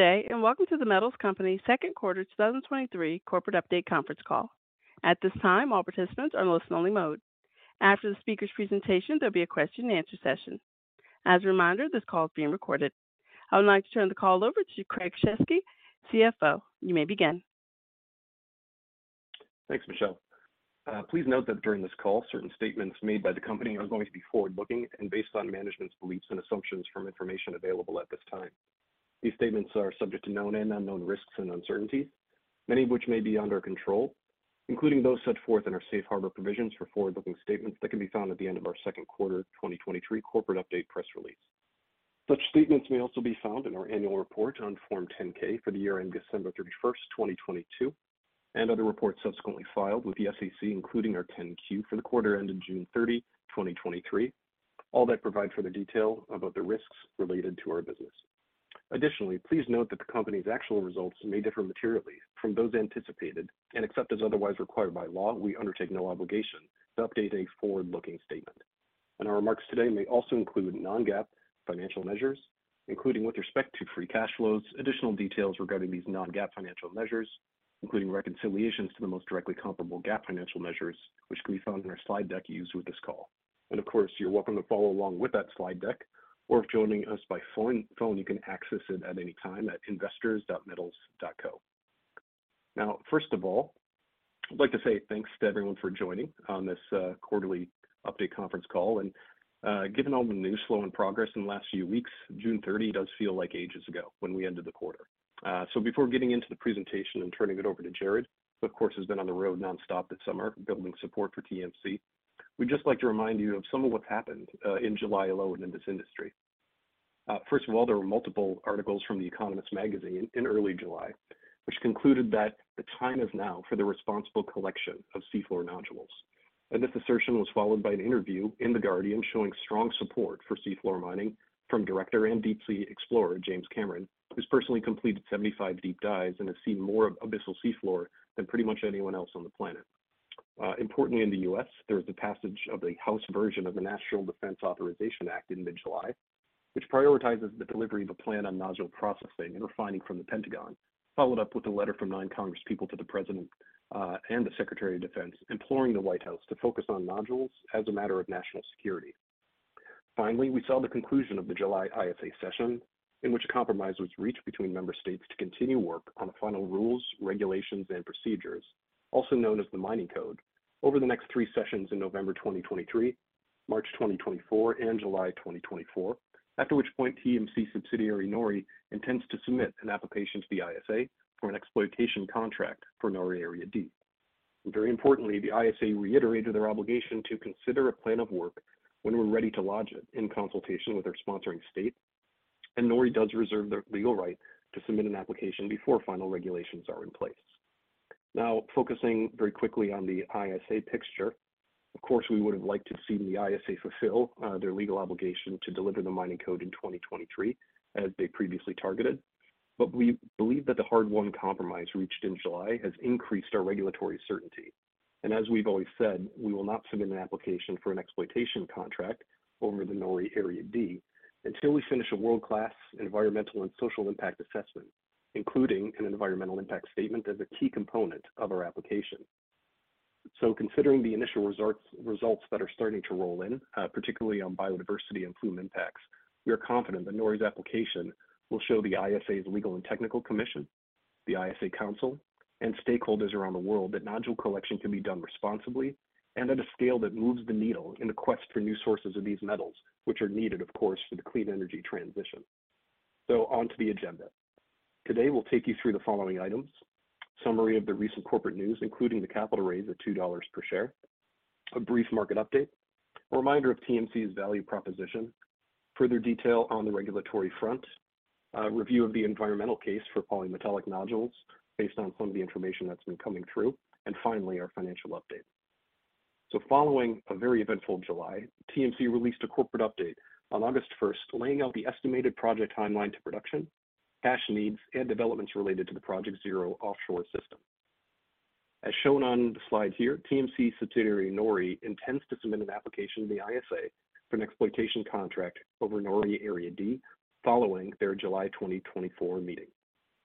Good day, welcome to The Metals Company Second Quarter 2023 Corporate Update conference call. At this time, all participants are in listen-only mode. After the speaker's presentation, there'll be a question-and-answer session. As a reminder, this call is being recorded. I would like to turn the call over to Craig Shesky, CFO. You may begin. Thanks, Michelle. Please note that during this call, certain statements made by the company are going to be forward-looking and based on management's beliefs and assumptions from information available at this time. These statements are subject to known and unknown risks and uncertainties, many of which may be under our control, including those set forth in our safe harbor provisions for forward-looking statements that can be found at the end of our second quarter 2023 corporate update press release. Such statements may also be found in our annual report on Form 10-K for the year end December 31, 2022, and other reports subsequently filed with the SEC, including our 10-Q for the quarter ended June 30, 2023. All that provide further detail about the risks related to our business. Additionally, please note that the company's actual results may differ materially from those anticipated, and except as otherwise required by law, we undertake no obligation to update a forward-looking statement. Our remarks today may also include non-GAAP financial measures, including with respect to free cash flows. Additional details regarding these non-GAAP financial measures, including reconciliations to the most directly comparable GAAP financial measures, which can be found in our slide deck used with this call. Of course, you're welcome to follow along with that slide deck, or if joining us by phone, you can access it at any time at investors.metals.co. Now, first of all, I'd like to say thanks to everyone for joining on this quarterly update conference call. Given all the news flow and progress in the last few weeks, June 30 does feel like ages ago when we ended the quarter. So before getting into the presentation and turning it over to Gerard, who of course, has been on the road nonstop this summer building support for TMC, we'd just like to remind you of some of what's happened in July alone in this industry. First of all, there were multiple articles from The Economist magazine in early July, which concluded that the time is now for the responsible collection of seafloor nodules. This assertion was followed by an interview in The Guardian, showing strong support for seafloor mining from director and deep sea explorer James Cameron, who's personally completed 75 deep dives and has seen more of abyssal seafloor than pretty much anyone else on the planet. Importantly, in the U.S., there was the passage of the House version of the National Defense Authorization Act in mid-July, which prioritizes the delivery of a plan on nodule processing and refining from the Pentagon, followed up with a letter from nine congresspeople to the President and the Secretary of Defense, imploring the White House to focus on nodules as a matter of national security. We saw the conclusion of the July ISA session, in which a compromise was reached between member states to continue work on final rules, regulations, and procedures, also known as the Mining Code, over the next three sessions in November 2023, March 2024, and July 2024. After which point, TMC subsidiary NORI intends to submit an application to the ISA for an exploitation contract for NORI Area D. Very importantly, the ISA reiterated their obligation to consider a plan of work when we're ready to lodge it in consultation with their sponsoring state. NORI does reserve the legal right to submit an application before final regulations are in place. Now, focusing very quickly on the ISA picture. Of course, we would have liked to have seen the ISA fulfill their legal obligation to deliver the Mining Code in 2023, as they previously targeted. We believe that the hard-won compromise reached in July has increased our regulatory certainty. As we've always said, we will not submit an application for an exploitation contract over the NORI Area D until we finish a world-class Environmental and Social Impact Assessment, including an Environmental Impact Statement as a key component of our application. Considering the initial results that are starting to roll in, particularly on biodiversity and plume impacts, we are confident that NORI's application will show the ISA's Legal and Technical Commission, the ISA Council, and stakeholders around the world that nodule collection can be done responsibly and at a scale that moves the needle in the quest for new sources of these metals, which are needed, of course, for the clean energy transition. On to the agenda. Today, we'll take you through the following items: summary of the recent corporate news, including the capital raise of $2 per share, a brief market update, a reminder of TMC's value proposition, further detail on the regulatory front, a review of the environmental case for polymetallic nodules based on some of the information that's been coming through, and finally, our financial update. Following a very eventful July, TMC released a corporate update on August 1st, laying out the estimated project timeline to production, cash needs and developments related to the Project Zero offshore system. As shown on the slides here, TMC subsidiary NORI intends to submit an application to the ISA for an exploitation contract over NORI Area D following their July 2024 meeting.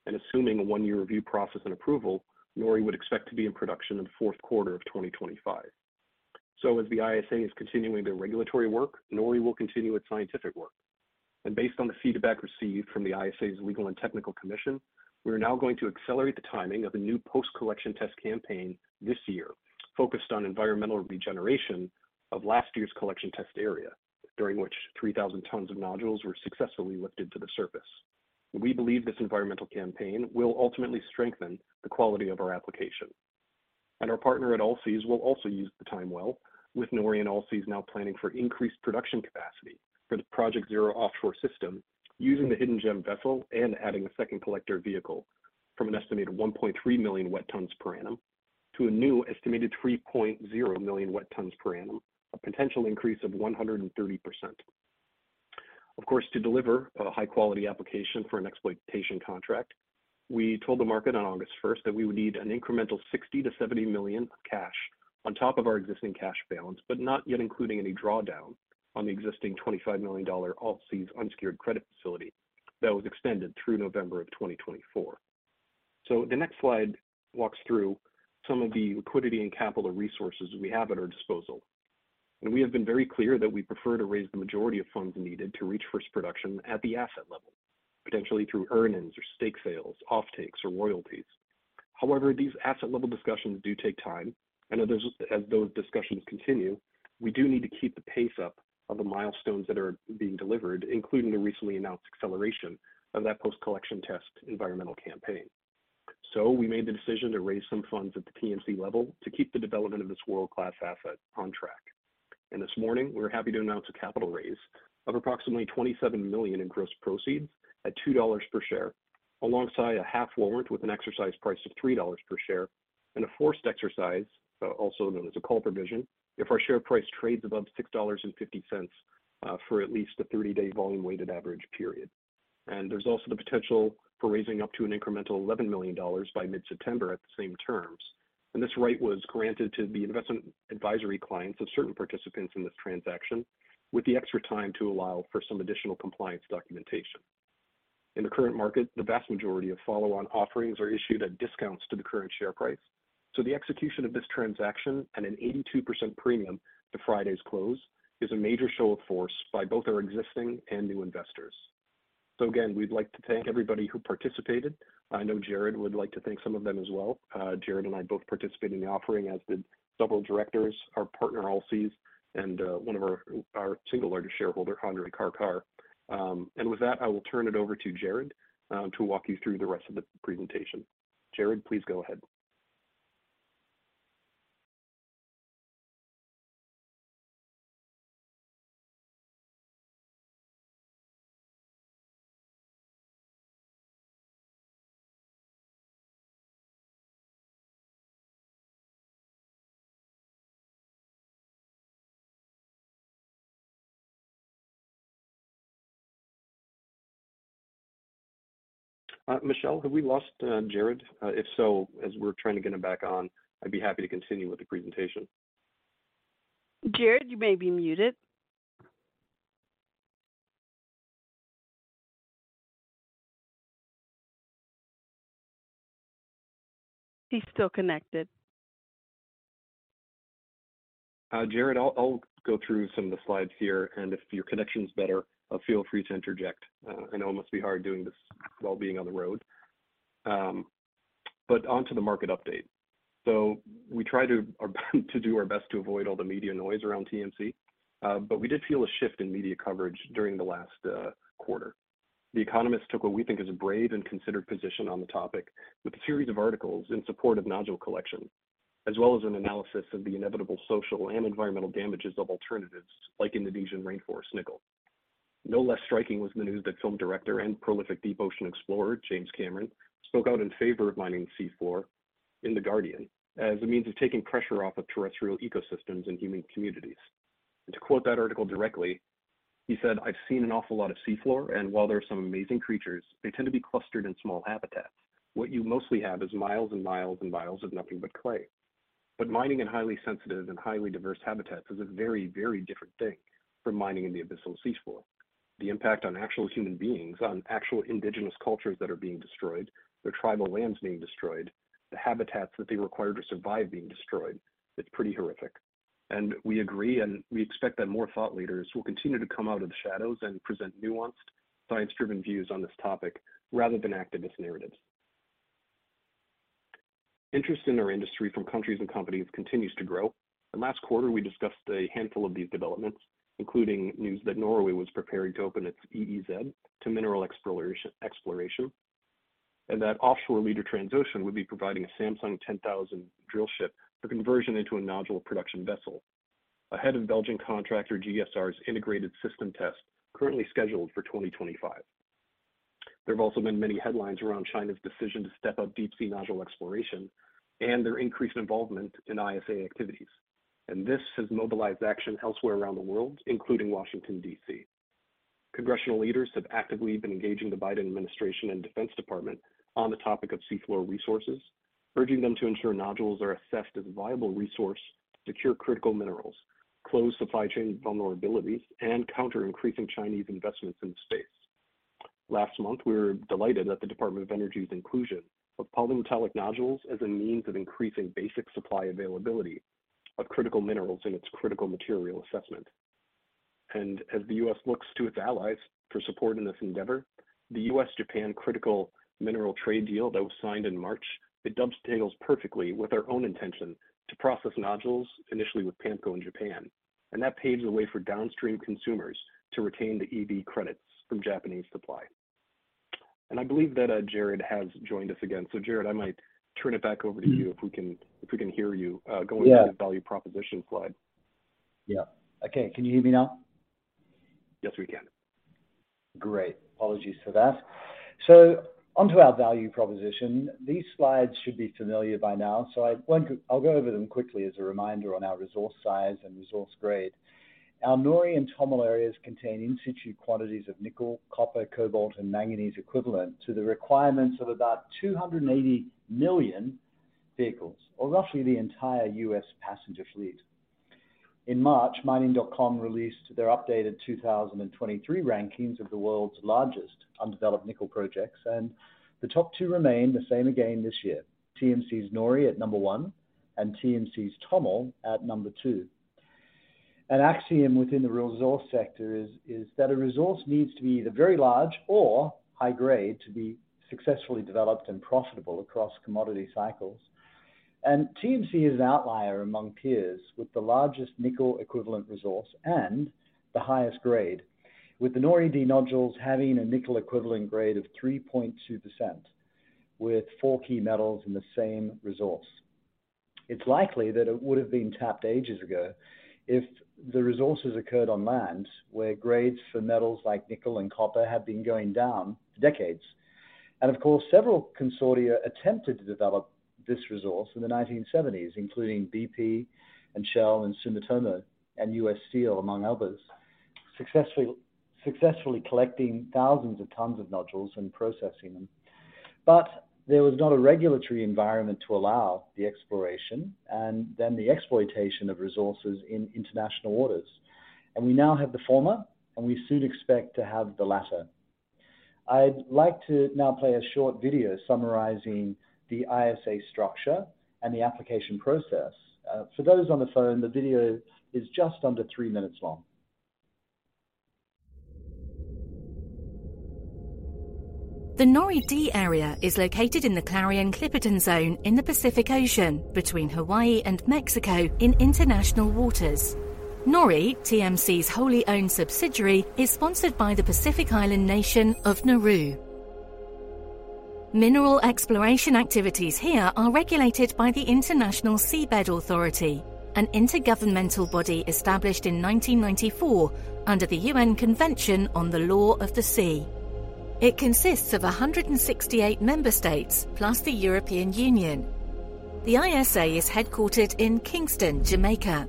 Assuming a 1-year review process and approval, NORI would expect to be in production in the fourth quarter of 2025. As the ISA is continuing their regulatory work, NORI will continue its scientific work. Based on the feedback received from the ISA's Legal and Technical Commission, we are now going to accelerate the timing of a new post-collection test campaign this year, focused on environmental regeneration of last year's collection test area, during which 3,000 tons of nodules were successfully lifted to the surface. We believe this environmental campaign will ultimately strengthen the quality of our application. Our partner at Allseas will also use the time well, with NORI and Allseas now planning for increased production capacity for the Project Zero offshore system, using the Hidden Gem vessel and adding a second collector vehicle from an estimated 1.3 million wet tons per annum to a new estimated 3.0 million wet tons per annum, a potential increase of 130%. Of course, to deliver a high-quality application for an exploitation contract-... We told the market on August first that we would need an incremental $60 million-$70 million of cash on top of our existing cash balance, but not yet including any drawdown on the existing $25 million Allseas' unsecured credit facility that was extended through November of 2024. The next slide walks through some of the liquidity and capital resources we have at our disposal. We have been very clear that we prefer to raise the majority of funds needed to reach first production at the asset level, potentially through earnings or stake sales, offtakes or royalties. However, these asset level discussions do take time, as those discussions continue, we do need to keep the pace up of the milestones that are being delivered, including the recently announced acceleration of that post-collection test environmental campaign. We made the decision to raise some funds at the TMC level to keep the development of this world-class asset on track. This morning, we're happy to announce a capital raise of approximately $27 million in gross proceeds at $2 per share, alongside a half warrant with an exercise price of $3 per share and a forced exercise, also known as a call provision, if our share price trades above $6.50, for at least a 30-day volume weighted average period. There's also the potential for raising up to an incremental $11 million by mid-September at the same terms. This right was granted to the investment advisory clients of certain participants in this transaction, with the extra time to allow for some additional compliance documentation. In the current market, the vast majority of follow-on offerings are issued at discounts to the current share price. The execution of this transaction at an 82% premium to Friday's close, is a major show of force by both our existing and new investors. Again, we'd like to thank everybody who participated. I know Gerard would like to thank some of them as well. Gerard and I both participated in the offering, as did several directors, our partner, Allseas, and one of our single largest shareholder, Andrei Karkar. And with that, I will turn it over to Gerard, to walk you through the rest of the presentation. Gerard, please go ahead. Michelle, have we lost, Gerard? If so, as we're trying to get him back on, I'd be happy to continue with the presentation. Gerard, you may be muted. He's still connected. Gerard, I'll, I'll go through some of the slides here, if your connection is better, feel free to interject. I know it must be hard doing this while being on the road. onto the market update. We try to, to do our best to avoid all the media noise around TMC, we did feel a shift in media coverage during the last quarter. The Economist took what we think is a brave and considered position on the topic, with a series of articles in support of nodule collection, as well as an analysis of the inevitable social and environmental damages of alternatives, like Indonesian rainforest nickel. No less striking was the news that film director and prolific deep ocean explorer, James Cameron, spoke out in favor of mining the seafloor in The Guardian, as a means of taking pressure off of terrestrial ecosystems and human communities. To quote that article directly, he said, "I've seen an awful lot of seafloor, and while there are some amazing creatures, they tend to be clustered in small habitats. What you mostly have is miles and miles and miles of nothing but clay. Mining in highly sensitive and highly diverse habitats is a very, very different thing from mining in the abyssal seafloor. The impact on actual human beings, on actual indigenous cultures that are being destroyed, their tribal lands being destroyed, the habitats that they require to survive being destroyed, it's pretty horrific. We agree, and we expect that more thought leaders will continue to come out of the shadows and present nuanced, science-driven views on this topic rather than activist narratives. Interest in our industry from countries and companies continues to grow. Last quarter, we discussed a handful of these developments, including news that Norway was preparing to open its EEZ to mineral exploration, exploration, and that offshore leader Transocean would be providing a Samsung 10,000 drill ship for conversion into a nodule production vessel. Ahead of Belgian contractor GSR's integrated system test, currently scheduled for 2025. There have also been many headlines around China's decision to step up deep sea nodule exploration and their increased involvement in ISA activities. This has mobilized action elsewhere around the world, including Washington, D.C. Congressional leaders have actively been engaging the Biden administration and Defense Department on the topic of seafloor resources, urging them to ensure nodules are assessed as a viable resource to secure critical minerals, close supply chain vulnerabilities, and counter increasing Chinese investments in the space. Last month, we were delighted at the Department of Energy's inclusion of polymetallic nodules as a means of increasing basic supply availability of critical minerals in its Critical Material Assessment. As the U.S. looks to its allies for support in this endeavor, the U.S.-Japan Critical Minerals Agreement that was signed in March, it dovetails perfectly with our own intention to process nodules, initially with PAMCO in Japan. That paves the way for downstream consumers to retain the EV credits from Japanese supply. I believe that, Gerard has joined us again. Gerard, I might turn it back over to you, if we can hear you, going through the value proposition slide. Yeah. Okay. Can you hear me now? Yes, we can. Great. Apologies for that. Onto our value proposition. These slides should be familiar by now, so I'll go over them quickly as a reminder on our resource size and resource grade. Our NORI and TOML areas contain in situ quantities of nickel, copper, cobalt, and manganese equivalent to the requirements of about 280 million-... vehicles, or roughly the entire U.S. passenger fleet. In March, MINING.COM released their updated 2023 rankings of the world's largest undeveloped nickel projects, and the top two remain the same again this year. TMC's NORI at number one and TMC's TOML at number two. An axiom within the resource sector is that a resource needs to be either very large or high grade to be successfully developed and profitable across commodity cycles. TMC is an outlier among peers with the largest nickel equivalent resource and the highest grade, with the NORI D nodules having a nickel equivalent grade of 3.2%, with four key metals in the same resource. It's likely that it would have been tapped ages ago if the resources occurred on land, where grades for metals like nickel and copper have been going down for decades. Of course, several consortia attempted to develop this resource in the 1970s, including BP and Shell and Sumitomo and U.S. Steel, among others. Successfully, successfully collecting thousands of tons of nodules and processing them. There was not a regulatory environment to allow the exploration and then the exploitation of resources in international waters, and we now have the former, and we soon expect to have the latter. I'd like to now play a short video summarizing the ISA structure and the application process. For those on the phone, the video is just under three minutes long. The NORI D area is located in the Clarion-Clipperton Zone in the Pacific Ocean, between Hawaii and Mexico, in international waters. NORI, TMC's wholly owned subsidiary, is sponsored by the Pacific Island nation of Nauru. Mineral exploration activities here are regulated by the International Seabed Authority, an intergovernmental body established in 1994 under the UN Convention on the Law of the Sea. It consists of 168 member states, plus the European Union. The ISA is headquartered in Kingston, Jamaica.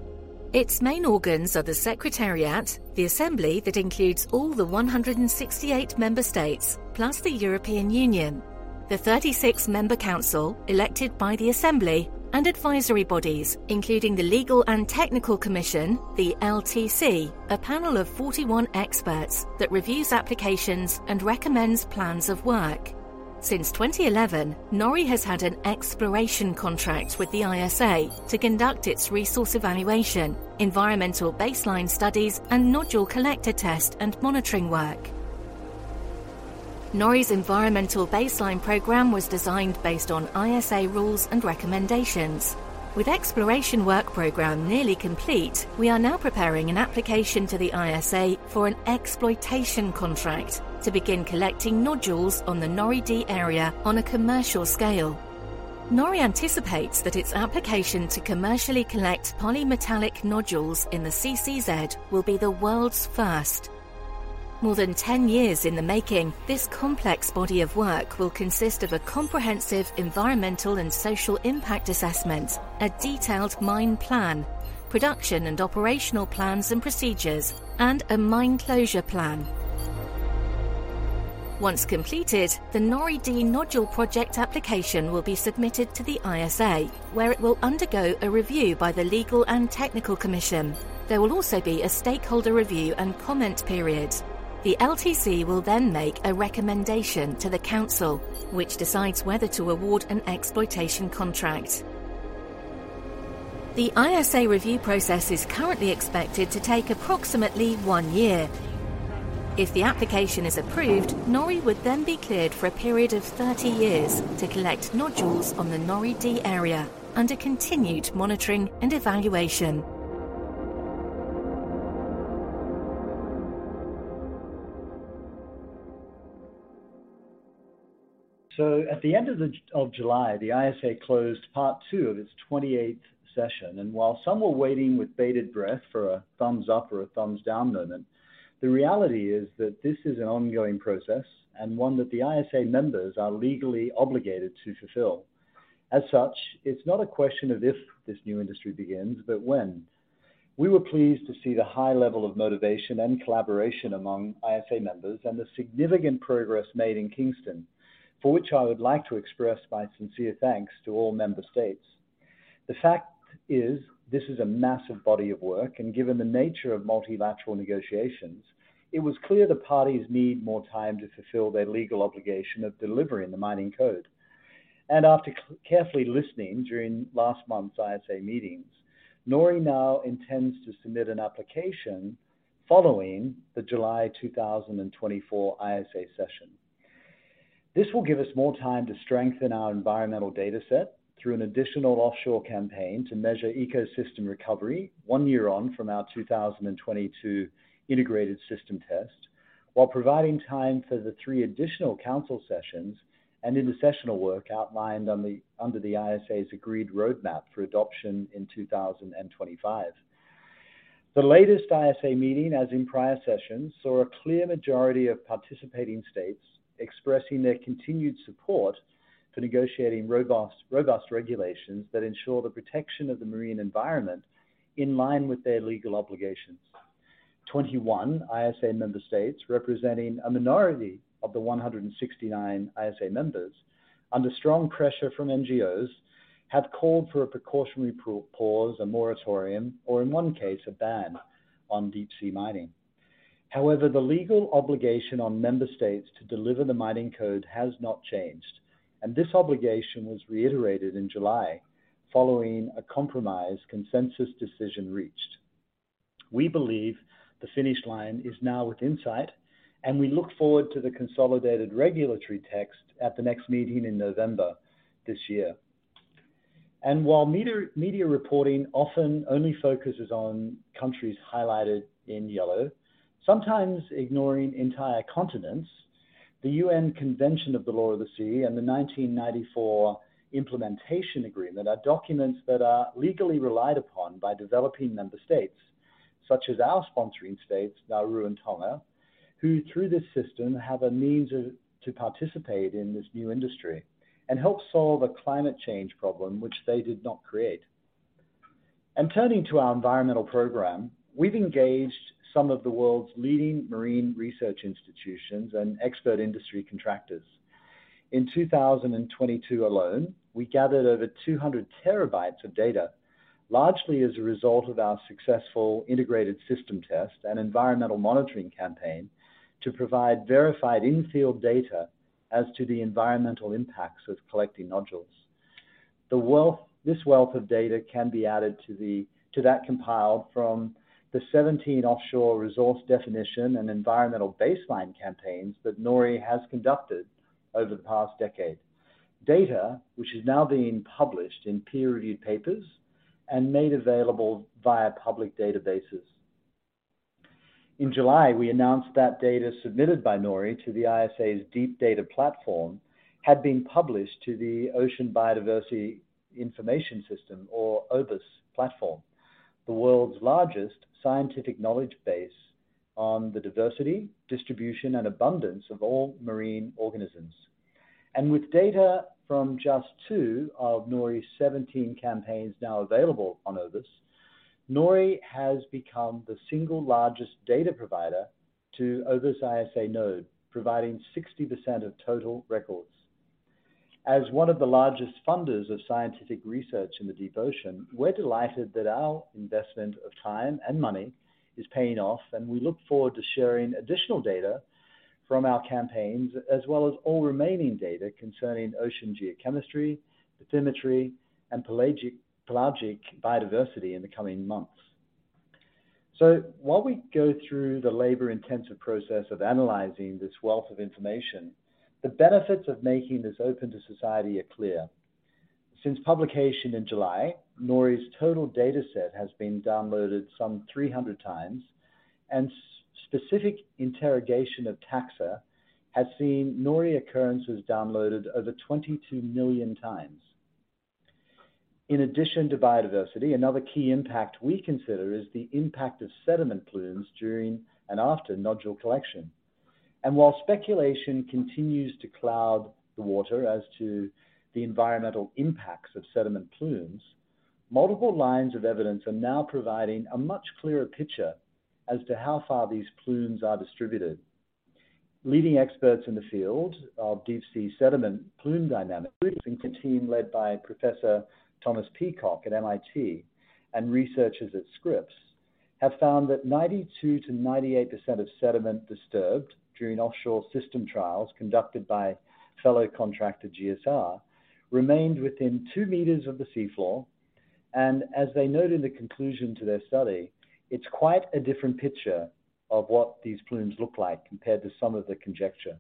Its main organs are the Secretariat, the Assembly, that includes all the 168 member states, plus the European Union, the 36-member Council, elected by the Assembly and advisory bodies, including the Legal and Technical Commission, the LTC, a panel of 41 experts that reviews applications and recommends plans of work. Since 2011, NORI has had an exploration contract with the ISA to conduct its resource evaluation, environmental baseline studies, and nodule collector test and monitoring work. NORI's environmental baseline program was designed based on ISA rules and recommendations. With exploration work program nearly complete, we are now preparing an application to the ISA for an exploitation contract to begin collecting nodules on the NORI D area on a commercial scale. NORI anticipates that its application to commercially collect polymetallic nodules in the CCZ will be the world's first. More than 10 years in the making, this complex body of work will consist of a comprehensive environmental and social impact assessment, a detailed mine plan, production and operational plans and procedures, and a mine closure plan. Once completed, the NORI D nodule project application will be submitted to the ISA, where it will undergo a review by the Legal and Technical Commission. There will also be a stakeholder review and comment period. The LTC will then make a recommendation to the Council, which decides whether to award an exploitation contract. The ISA review process is currently expected to take approximately one year. If the application is approved, NORI would then be cleared for a period of 30 years to collect nodules from the NORI D area under continued monitoring and evaluation. At the end of July, the ISA closed part 2 of its 28th session, and while some were waiting with bated breath for a thumbs up or a thumbs down moment, the reality is that this is an ongoing process and one that the ISA members are legally obligated to fulfill. As such, it's not a question of if this new industry begins, but when. We were pleased to see the high level of motivation and collaboration among ISA members and the significant progress made in Kingston, for which I would like to express my sincere thanks to all member states. The fact is, this is a massive body of work, and given the nature of multilateral negotiations, it was clear the parties need more time to fulfill their legal obligation of delivering the Mining Code. After carefully listening during last month's ISA meetings, NORI now intends to submit an application following the July 2024 ISA session. This will give us more time to strengthen our environmental data set through an additional offshore campaign to measure ecosystem recovery 1 year on from our 2022 integrated system test, while providing time for the 3 additional Council sessions and intersessional work outlined under the ISA's agreed roadmap for adoption in 2025. The latest ISA meeting, as in prior sessions, saw a clear majority of participating states expressing their continued support for negotiating robust, robust regulations that ensure the protection of the marine environment in line with their legal obligations... 21 ISA member states, representing a minority of the 169 ISA members, under strong pressure from NGOs, have called for a precautionary pause, a moratorium, or in one case, a ban on deep sea mining. The legal obligation on member states to deliver the Mining Code has not changed, and this obligation was reiterated in July following a compromise consensus decision reached. We believe the finish line is now within insight, and we look forward to the consolidated regulatory text at the next meeting in November this year. While media, media reporting often only focuses on countries highlighted in yellow, sometimes ignoring entire continents, the UN Convention on the Law of the Sea and the 1994 Implementation Agreement are documents that are legally relied upon by developing member states, such as our sponsoring states, Nauru and Tonga, who, through this system, have a means to participate in this new industry and help solve a climate change problem which they did not create. Turning to our environmental program, we've engaged some of the world's leading marine research institutions and expert industry contractors. In 2022 alone, we gathered over 200 terabytes of data, largely as a result of our successful integrated system test and environmental monitoring campaign, to provide verified in-field data as to the environmental impacts of collecting nodules. This wealth of data can be added to that compiled from the 17 offshore resource definition and environmental baseline campaigns that NORI has conducted over the past decade. Data, which is now being published in peer-reviewed papers and made available via public databases. In July, we announced that data submitted by NORI to the ISA's DeepData Platform had been published to the Ocean Biodiversity Information System, or OBIS platform, the world's largest scientific knowledge base on the diversity, distribution, and abundance of all marine organisms. With data from just 2 of NORI's 17 campaigns now available on OBIS, NORI has become the single largest data provider to OBIS ISA node, providing 60% of total records. As one of the largest funders of scientific research in the deep ocean, we're delighted that our investment of time and money is paying off. We look forward to sharing additional data from our campaigns, as well as all remaining data concerning ocean geochemistry, bathymetry, and pelagic, pelagic biodiversity in the coming months. While we go through the labor-intensive process of analyzing this wealth of information, the benefits of making this open to society are clear. Since publication in July, NORI's total data set has been downloaded some 300 times, and specific interrogation of taxa has seen NORI occurrences downloaded over 22 million times. In addition to biodiversity, another key impact we consider is the impact of sediment plumes during and after nodule collection. While speculation continues to cloud the water as to the environmental impacts of sediment plumes, multiple lines of evidence are now providing a much clearer picture as to how far these plumes are distributed. Leading experts in the field of deep sea sediment plume dynamics, including the team led by Professor Thomas Peacock at MIT and researchers at Scripps, have found that 92%-98% of sediment disturbed during offshore system trials conducted by fellow contractor GSR, remained within 2 meters of the seafloor. As they noted in the conclusion to their study, it's quite a different picture of what these plumes look like compared to some of the conjecture.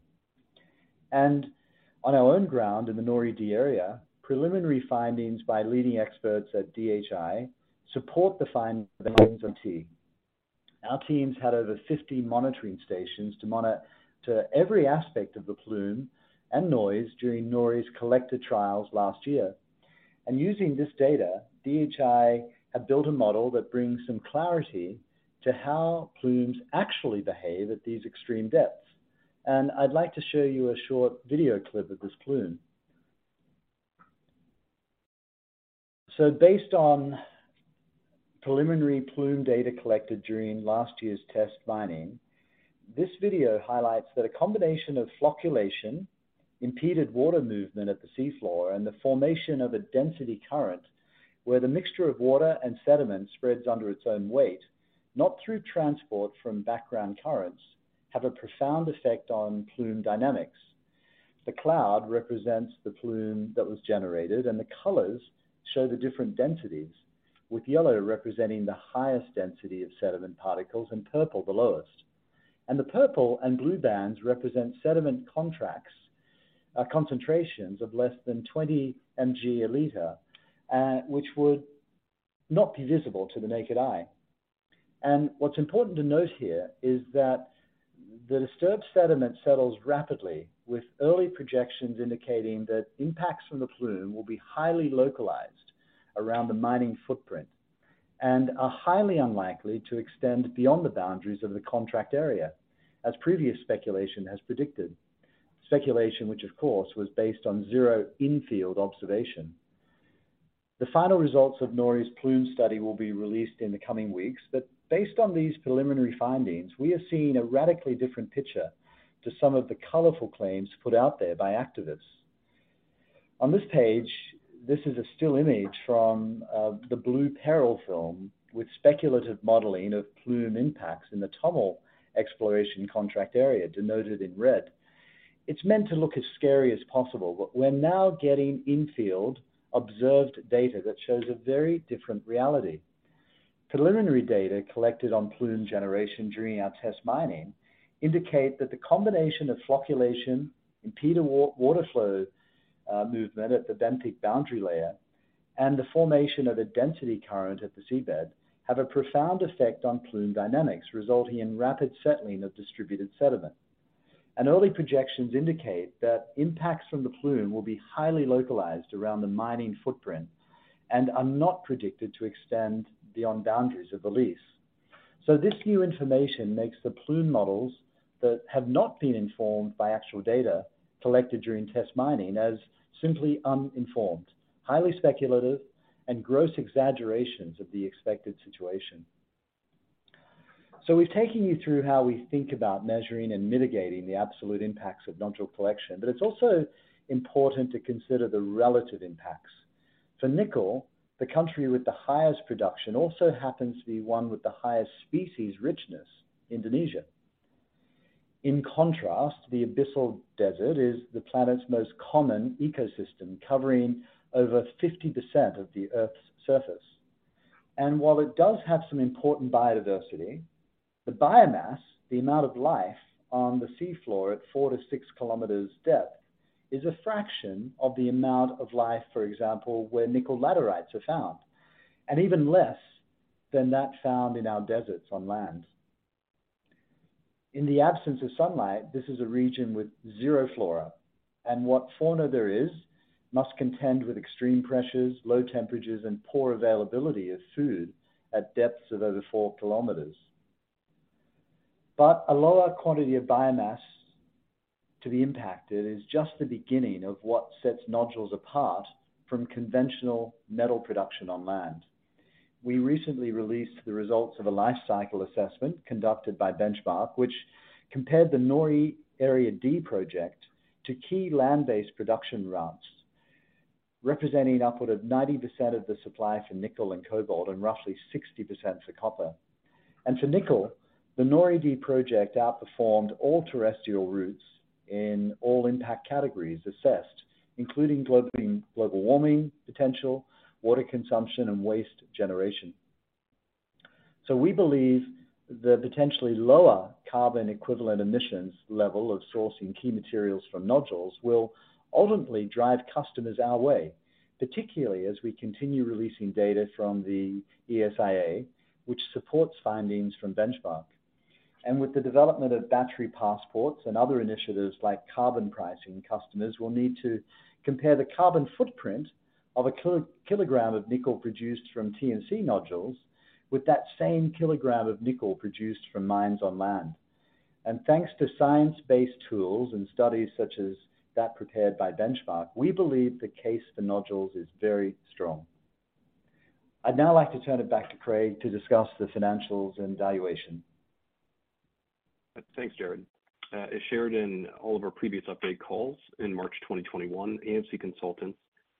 On our own ground in the NORI Area D, preliminary findings by leading experts at DHI support the findings of MIT. Our teams had over 50 monitoring stations to monitor every aspect of the plume and noise during NORI's collector trials last year. Using this data, DHI have built a model that brings some clarity to how plumes actually behave at these extreme depths. I'd like to show you a short video clip of this plume. Based on preliminary plume data collected during last year's test mining, this video highlights that a combination of flocculation, impeded water movement at the seafloor, and the formation of a density current, where the mixture of water and sediment spreads under its own weight, not through transport from background currents, have a profound effect on plume dynamics. The cloud represents the plume that was generated, and the colors show the different densities, with yellow representing the highest density of sediment particles and purple the lowest. The purple and blue bands represent sediment contracts, concentrations of less than 20 mg a liter, which would not be visible to the naked eye. What's important to note here is that the disturbed sediment settles rapidly, with early projections indicating that impacts from the plume will be highly localized around the mining footprint, and are highly unlikely to extend beyond the boundaries of the contract area, as previous speculation has predicted. Speculation, which of course, was based on 0 in-field observation. The final results of NORI's plume study will be released in the coming weeks, but based on these preliminary findings, we are seeing a radically different picture to some of the colorful claims put out there by activists. On this page, this is a still image from the Blue Peril film, with speculative modeling of plume impacts in the TOML exploration contract area, denoted in red. It's meant to look as scary as possible, but we're now getting infield observed data that shows a very different reality. Preliminary data collected on plume generation during our test mining indicate that the combination of flocculation, impeded water flow, movement at the benthic boundary layer, and the formation of a density current at the seabed, have a profound effect on plume dynamics, resulting in rapid settling of distributed sediment. Early projections indicate that impacts from the plume will be highly localized around the mining footprint and are not predicted to extend beyond boundaries of the lease. This new information makes the plume models that have not been informed by actual data collected during test mining as simply uninformed, highly speculative and gross exaggerations of the expected situation. We've taken you through how we think about measuring and mitigating the absolute impacts of nodule collection, but it's also important to consider the relative impacts. For nickel, the country with the highest production also happens to be one with the highest species richness, Indonesia. In contrast, the abyssal desert is the planet's most common ecosystem, covering over 50% of the Earth's surface. While it does have some important biodiversity, the biomass, the amount of life on the seafloor at 4-6 km depth, is a fraction of the amount of life, for example, where nickel laterites are found, and even less than that found in our deserts on land. In the absence of sunlight, this is a region with 0 flora, what fauna there is must contend with extreme pressures, low temperatures, and poor availability of food at depths of over 4 km. A lower quantity of biomass to be impacted is just the beginning of what sets nodules apart from conventional metal production on land. We recently released the results of a life cycle assessment conducted by Benchmark, which compared the NORI Area D project to key land-based production routes, representing upward of 90% of the supply for nickel and cobalt, roughly 60% for copper. For nickel, the NORI D project outperformed all terrestrial routes in all impact categories assessed, including global warming potential, water consumption, and waste generation. We believe the potentially lower carbon equivalent emissions level of sourcing key materials from nodules will ultimately drive customers our way, particularly as we continue releasing data from the ESIA, which supports findings from Benchmark. With the development of battery passports and other initiatives like carbon pricing, customers will need to compare the carbon footprint of a kilogram of nickel produced from TMC nodules, with that same kilogram of nickel produced from mines on land. Thanks to science-based tools and studies such as that prepared by Benchmark, we believe the case for nodules is very strong. I'd now like to turn it back to Craig to discuss the financials and valuation. Thanks, Gerard. As shared in all of our previous update calls, in March 2021, AMC Consultants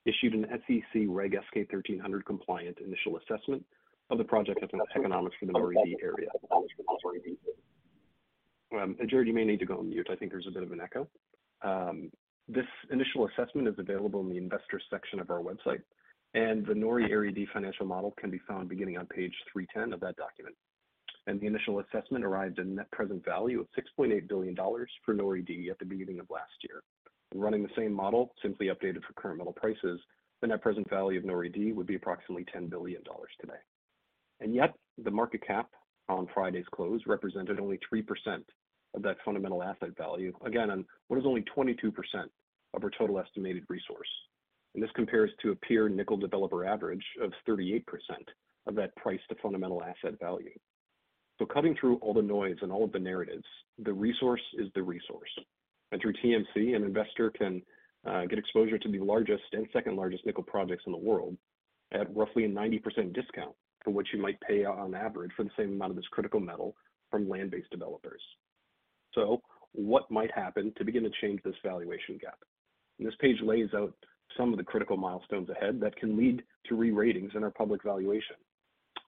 issued an SEC Reg S-K 1300 compliant initial assessment of the project economics for the NORI Area D. Gerard, you may need to go on mute. I think there's a bit of an echo. This initial assessment is available in the investors section of our website, and the NORI Area D financial model can be found beginning on page 310 of that document. The initial assessment arrived a net present value of $6.8 billion for NORI D at the beginning of last year. Running the same model, simply updated for current metal prices, the net present value of NORI D would be approximately $10 billion today. Yet, the market cap on Friday's close represented only 3% of that fundamental asset value. Again, on what is only 22% of our total estimated resource. This compares to a peer nickel developer average of 38% of that price to fundamental asset value. Cutting through all the noise and all of the narratives, the resource is the resource. Through TMC, an investor can get exposure to the largest and second-largest nickel projects in the world at roughly a 90% discount to what you might pay on average for the same amount of this critical metal from land-based developers. What might happen to begin to change this valuation gap? This page lays out some of the critical milestones ahead that can lead to re-ratings in our public valuation.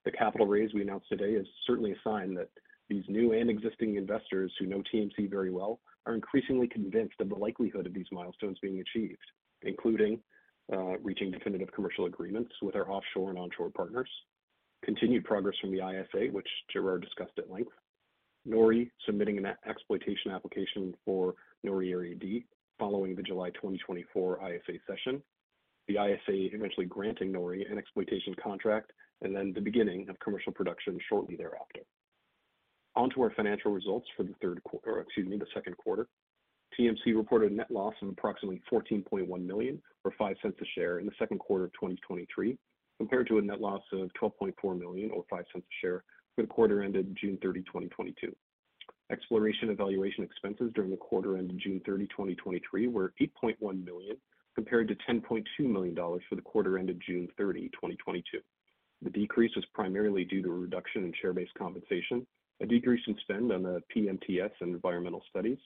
The capital raise we announced today is certainly a sign that these new and existing investors who know TMC very well, are increasingly convinced of the likelihood of these milestones being achieved, including, reaching definitive commercial agreements with our offshore and onshore partners. Continued progress from the ISA, which Gerard discussed at length. NORI submitting an exploitation application for NORI Area D following the July 2024 ISA session. The ISA eventually granting NORI an exploitation contract, and then the beginning of commercial production shortly thereafter. On to our financial results for the second quarter. TMC reported a net loss of approximately $14.1 million, or $0.05 a share in the second quarter of 2023, compared to a net loss of $12.4 million, or $0.05 a share, for the quarter ended June 30, 2022.... Exploration evaluation expenses during the quarter ended June 30, 2023, were $8.1 million, compared to $10.2 million for the quarter ended June 30, 2022. The decrease was primarily due to a reduction in share-based compensation, a decrease in spend on the PMTS and environmental studies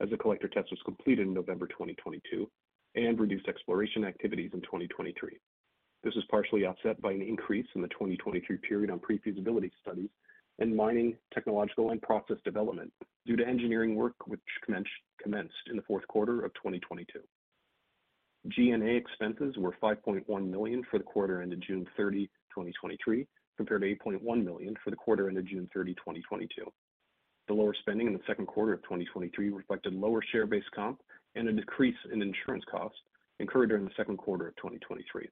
as the collector test was completed in November 2022, and reduced exploration activities in 2023. This was partially offset by an increase in the 2023 period on pre-feasibility studies and mining, technological and process development, due to engineering work which commenced in the fourth quarter of 2022. G&A expenses were $5.1 million for the quarter ended June 30, 2023, compared to $8.1 million for the quarter ended June 30, 2022. The lower spending in the second quarter of 2023 reflected lower share-based comp and a decrease in insurance costs incurred during the second quarter of 2023.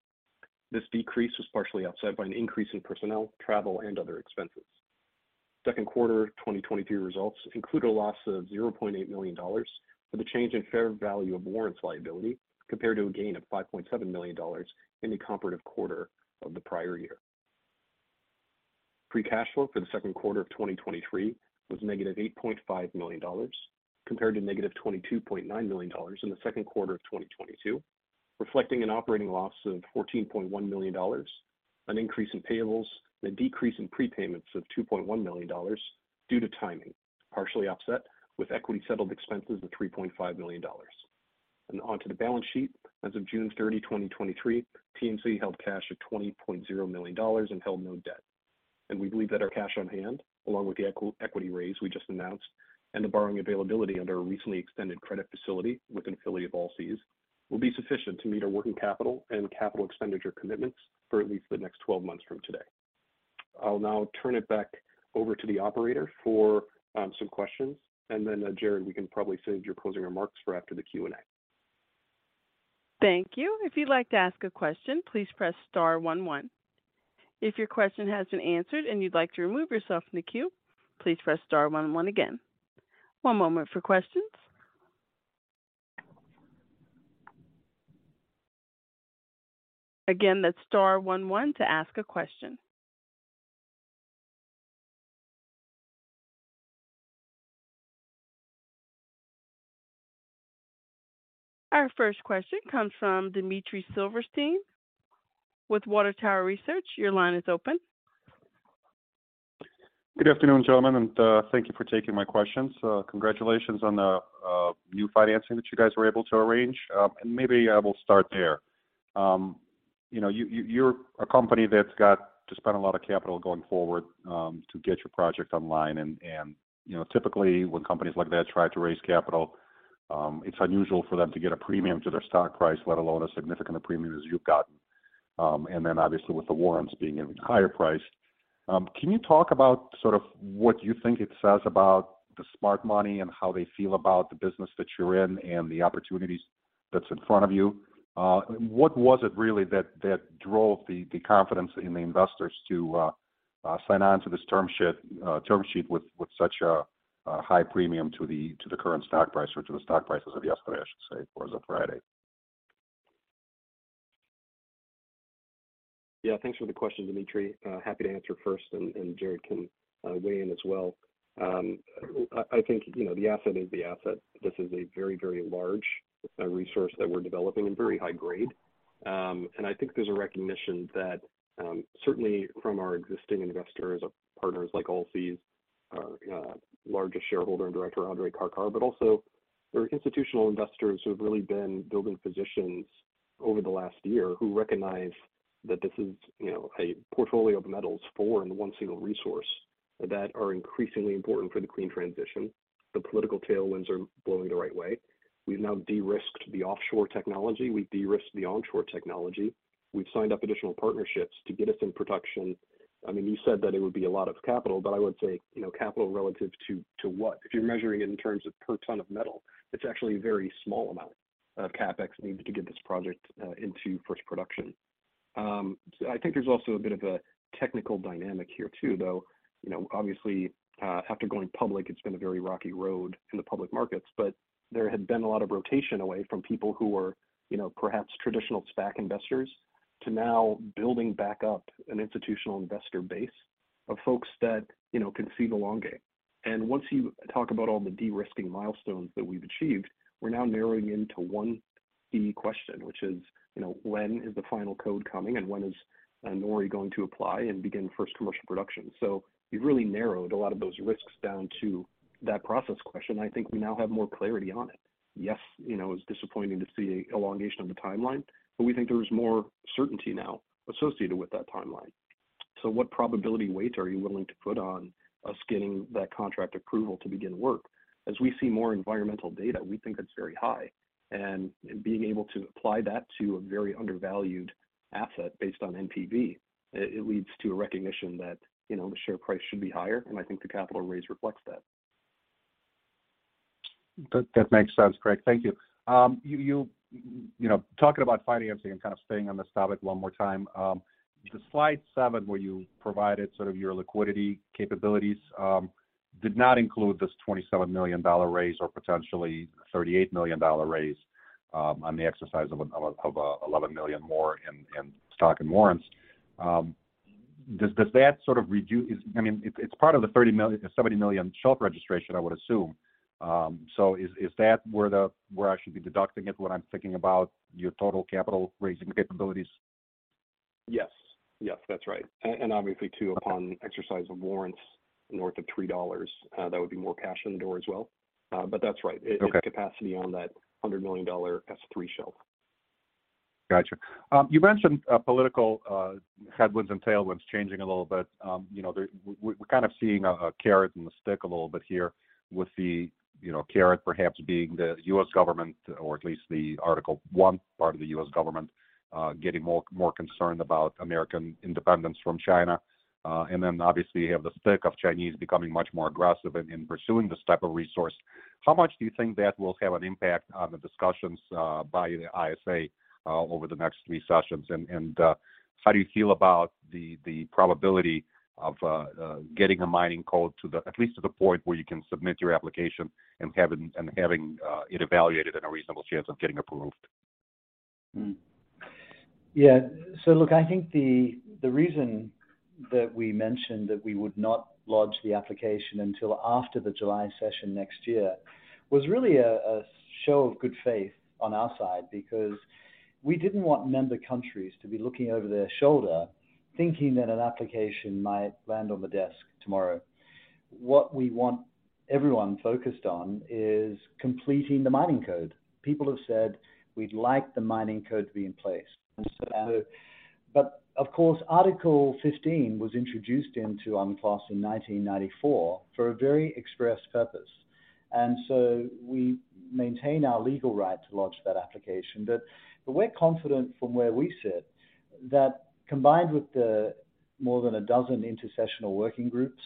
This decrease was partially offset by an increase in personnel, travel, and other expenses. Second quarter 2023 results include a loss of $0.8 million for the change in fair value of warrants liability, compared to a gain of $5.7 million in the comparative quarter of the prior year. Free cash flow for the second quarter of 2023 was -$8.5 million, compared to -$22.9 million in the second quarter of 2022, reflecting an operating loss of $14.1 million, an increase in payables, and a decrease in prepayments of $2.1 million due to timing, partially offset with equity settled expenses of $3.5 million. Onto the balance sheet. As of June 30, 2023, TMC held cash of $20.0 million and held no debt. We believe that our cash on hand, along with the equity raise we just announced, and the borrowing availability under our recently extended credit facility with an affiliate of Allseas, will be sufficient to meet our working capital and capital expenditure commitments for at least the next 12 months from today. I'll now turn it back over to the operator for some questions. Then, Gerard, we can probably save your closing remarks for after the Q&A. Thank you. If you'd like to ask a question, please press star one, one. If your question has been answered and you'd like to remove yourself from the queue, please press star one, one again. One moment for questions. Again, that's star one, one to ask a question. Our first question comes from Dmitry Silversteyn with Water Tower Research. Your line is open. Good afternoon, gentlemen, thank you for taking my questions. Congratulations on the new financing that you guys were able to arrange. Maybe I will start there. You know, you, you're a company that's got to spend a lot of capital going forward to get your project online. You know, typically, when companies like that try to raise capital, it's unusual for them to get a premium to their stock price, let alone a significant a premium as you've gotten. Then obviously, with the warrants being an even higher price. Can you talk about sort of what you think it says about the smart money and how they feel about the business that you're in and the opportunities that's in front of you? What was it really that, that drove the, the confidence in the investors to, sign on to this term sheet, term sheet with, with such a, a high premium to the, to the current stock price or to the stock prices of yesterday, I should say, or as of Friday? Yeah, thanks for the question, Dmitry. Happy to answer first, and Gerard can weigh in as well. I think, you know, the asset is the asset. This is a very, very large resource that we're developing and very high grade. I think there's a recognition that, certainly from our existing investors or partners like Allseas, our largest shareholder and Director, Andrei Karkar, but also there are institutional investors who have really been building positions over the last year, who recognize that this is, you know, a portfolio of metals for and one single resource that are increasingly important for the clean transition. The political tailwinds are blowing the right way. We've now de-risked the offshore technology. We've de-risked the onshore technology. We've signed up additional partnerships to get us in production. I mean, you said that it would be a lot of capital, but I would say, you know, capital relative to, to what? If you're measuring it in terms of per ton of metal, it's actually a very small amount of CapEx needed to get this project into first production. I think there's also a bit of a technical dynamic here, too, though. You know, obviously, after going public, it's been a very rocky road in the public markets, but there had been a lot of rotation away from people who were, you know, perhaps traditional SPAC investors, to now building back up an institutional investor base of folks that, you know, can see the long game. Once you talk about all the de-risking milestones that we've achieved, we're now narrowing into one key question, which is, you know, when is the final code coming and when is NORI going to apply and begin first commercial production? We've really narrowed a lot of those risks down to that process question. I think we now have more clarity on it. Yes, you know, it's disappointing to see elongation of the timeline, but we think there is more certainty now associated with that timeline. What probability weights are you willing to put on us getting that contract approval to begin work? As we see more environmental data, we think it's very high, and being able to apply that to a very undervalued asset based on NPV, it leads to a recognition that, you know, the share price should be higher, and I think the capital raise reflects that. That, that makes sense, Craig Shesky. Thank you. You know, talking about financing and kind of staying on this topic one more time, the slide 7, where you provided sort of your liquidity capabilities, did not include this $27 million raise or potentially $38 million raise, on the exercise of a $11 million more in stock and warrants. Does that sort of reduce, I mean, it's part of the $30 million, $70 million shelf registration, I would assume. Is that where I should be deducting it when I'm thinking about your total capital raising capabilities? Yes. Yes, that's right. Obviously, too, upon exercise of warrants north of $3, that would be more cash in the door as well. That's right. Okay. It's capacity on that $100 million S3 shelf. Got you. You mentioned political headwinds and tailwinds changing a little bit. You know, we're kind of seeing a, a carrot and the stick a little bit here with the, you know, carrot perhaps being the U.S. government, or at least the article, one part of the U.S. government, getting more, more concerned about American independence from China. Then obviously, you have the stick of Chinese becoming much more aggressive in, in pursuing this type of resource. How much do you think that will have an impact on the discussions by the ISA over the next three sessions? How do you feel about the, the probability of getting a Mining Code to the... at least to the point where you can submit your application and having, and having, it evaluated and a reasonable chance of getting approved? Yeah. Look, I think the reason that we mentioned that we would not lodge the application until after the July session next year, was really a show of good faith on our side, because we didn't want member countries to be looking over their shoulder, thinking that an application might land on the desk tomorrow. What we want everyone focused on is completing the Mining Code. People have said, "We'd like the Mining Code to be in place." But of course, Article 15 was introduced into UNCLOS in 1994 for a very express purpose, and so we maintain our legal right to lodge that application. We're confident from where we sit, that combined with the more than a dozen intersessional working groups,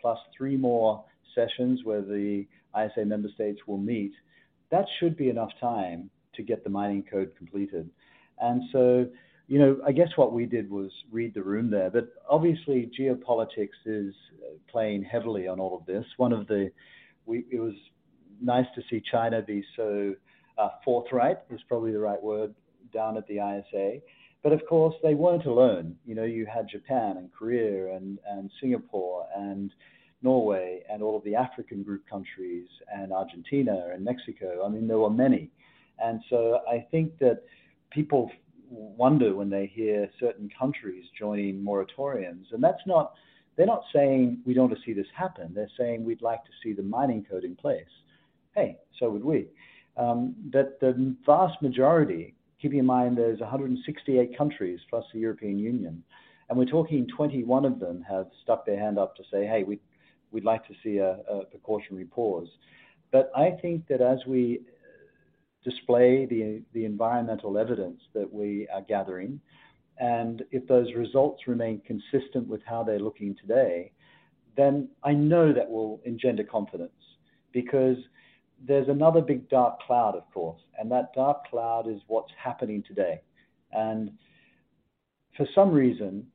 plus 3 more sessions where the ISA member states will meet, that should be enough time to get the Mining Code completed. You know, I guess what we did was read the room there. Obviously, geopolitics is playing heavily on all of this. One of the, it was nice to see China be so forthright, is probably the right word, down at the ISA. Of course, they weren't alone. You know, you had Japan and Korea and Singapore and Norway, and all of the African group countries, and Argentina and Mexico. I mean, there were many. I think that people wonder when they hear certain countries joining moratoriums. That's not they're not saying, "We don't want to see this happen." They're saying: We'd like to see the Mining Code in place. Hey, so would we. That the vast majority, keeping in mind, there's 168 countries plus the European Union, and we're talking 21 of them have stuck their hand up to say, "Hey, we, we'd like to see a precautionary pause." I think that as we display the, the environmental evidence that we are gathering, and if those results remain consistent with how they're looking today, then I know that will engender confidence. There's another big dark cloud, of course, and that dark cloud is what's happening today. For some reason,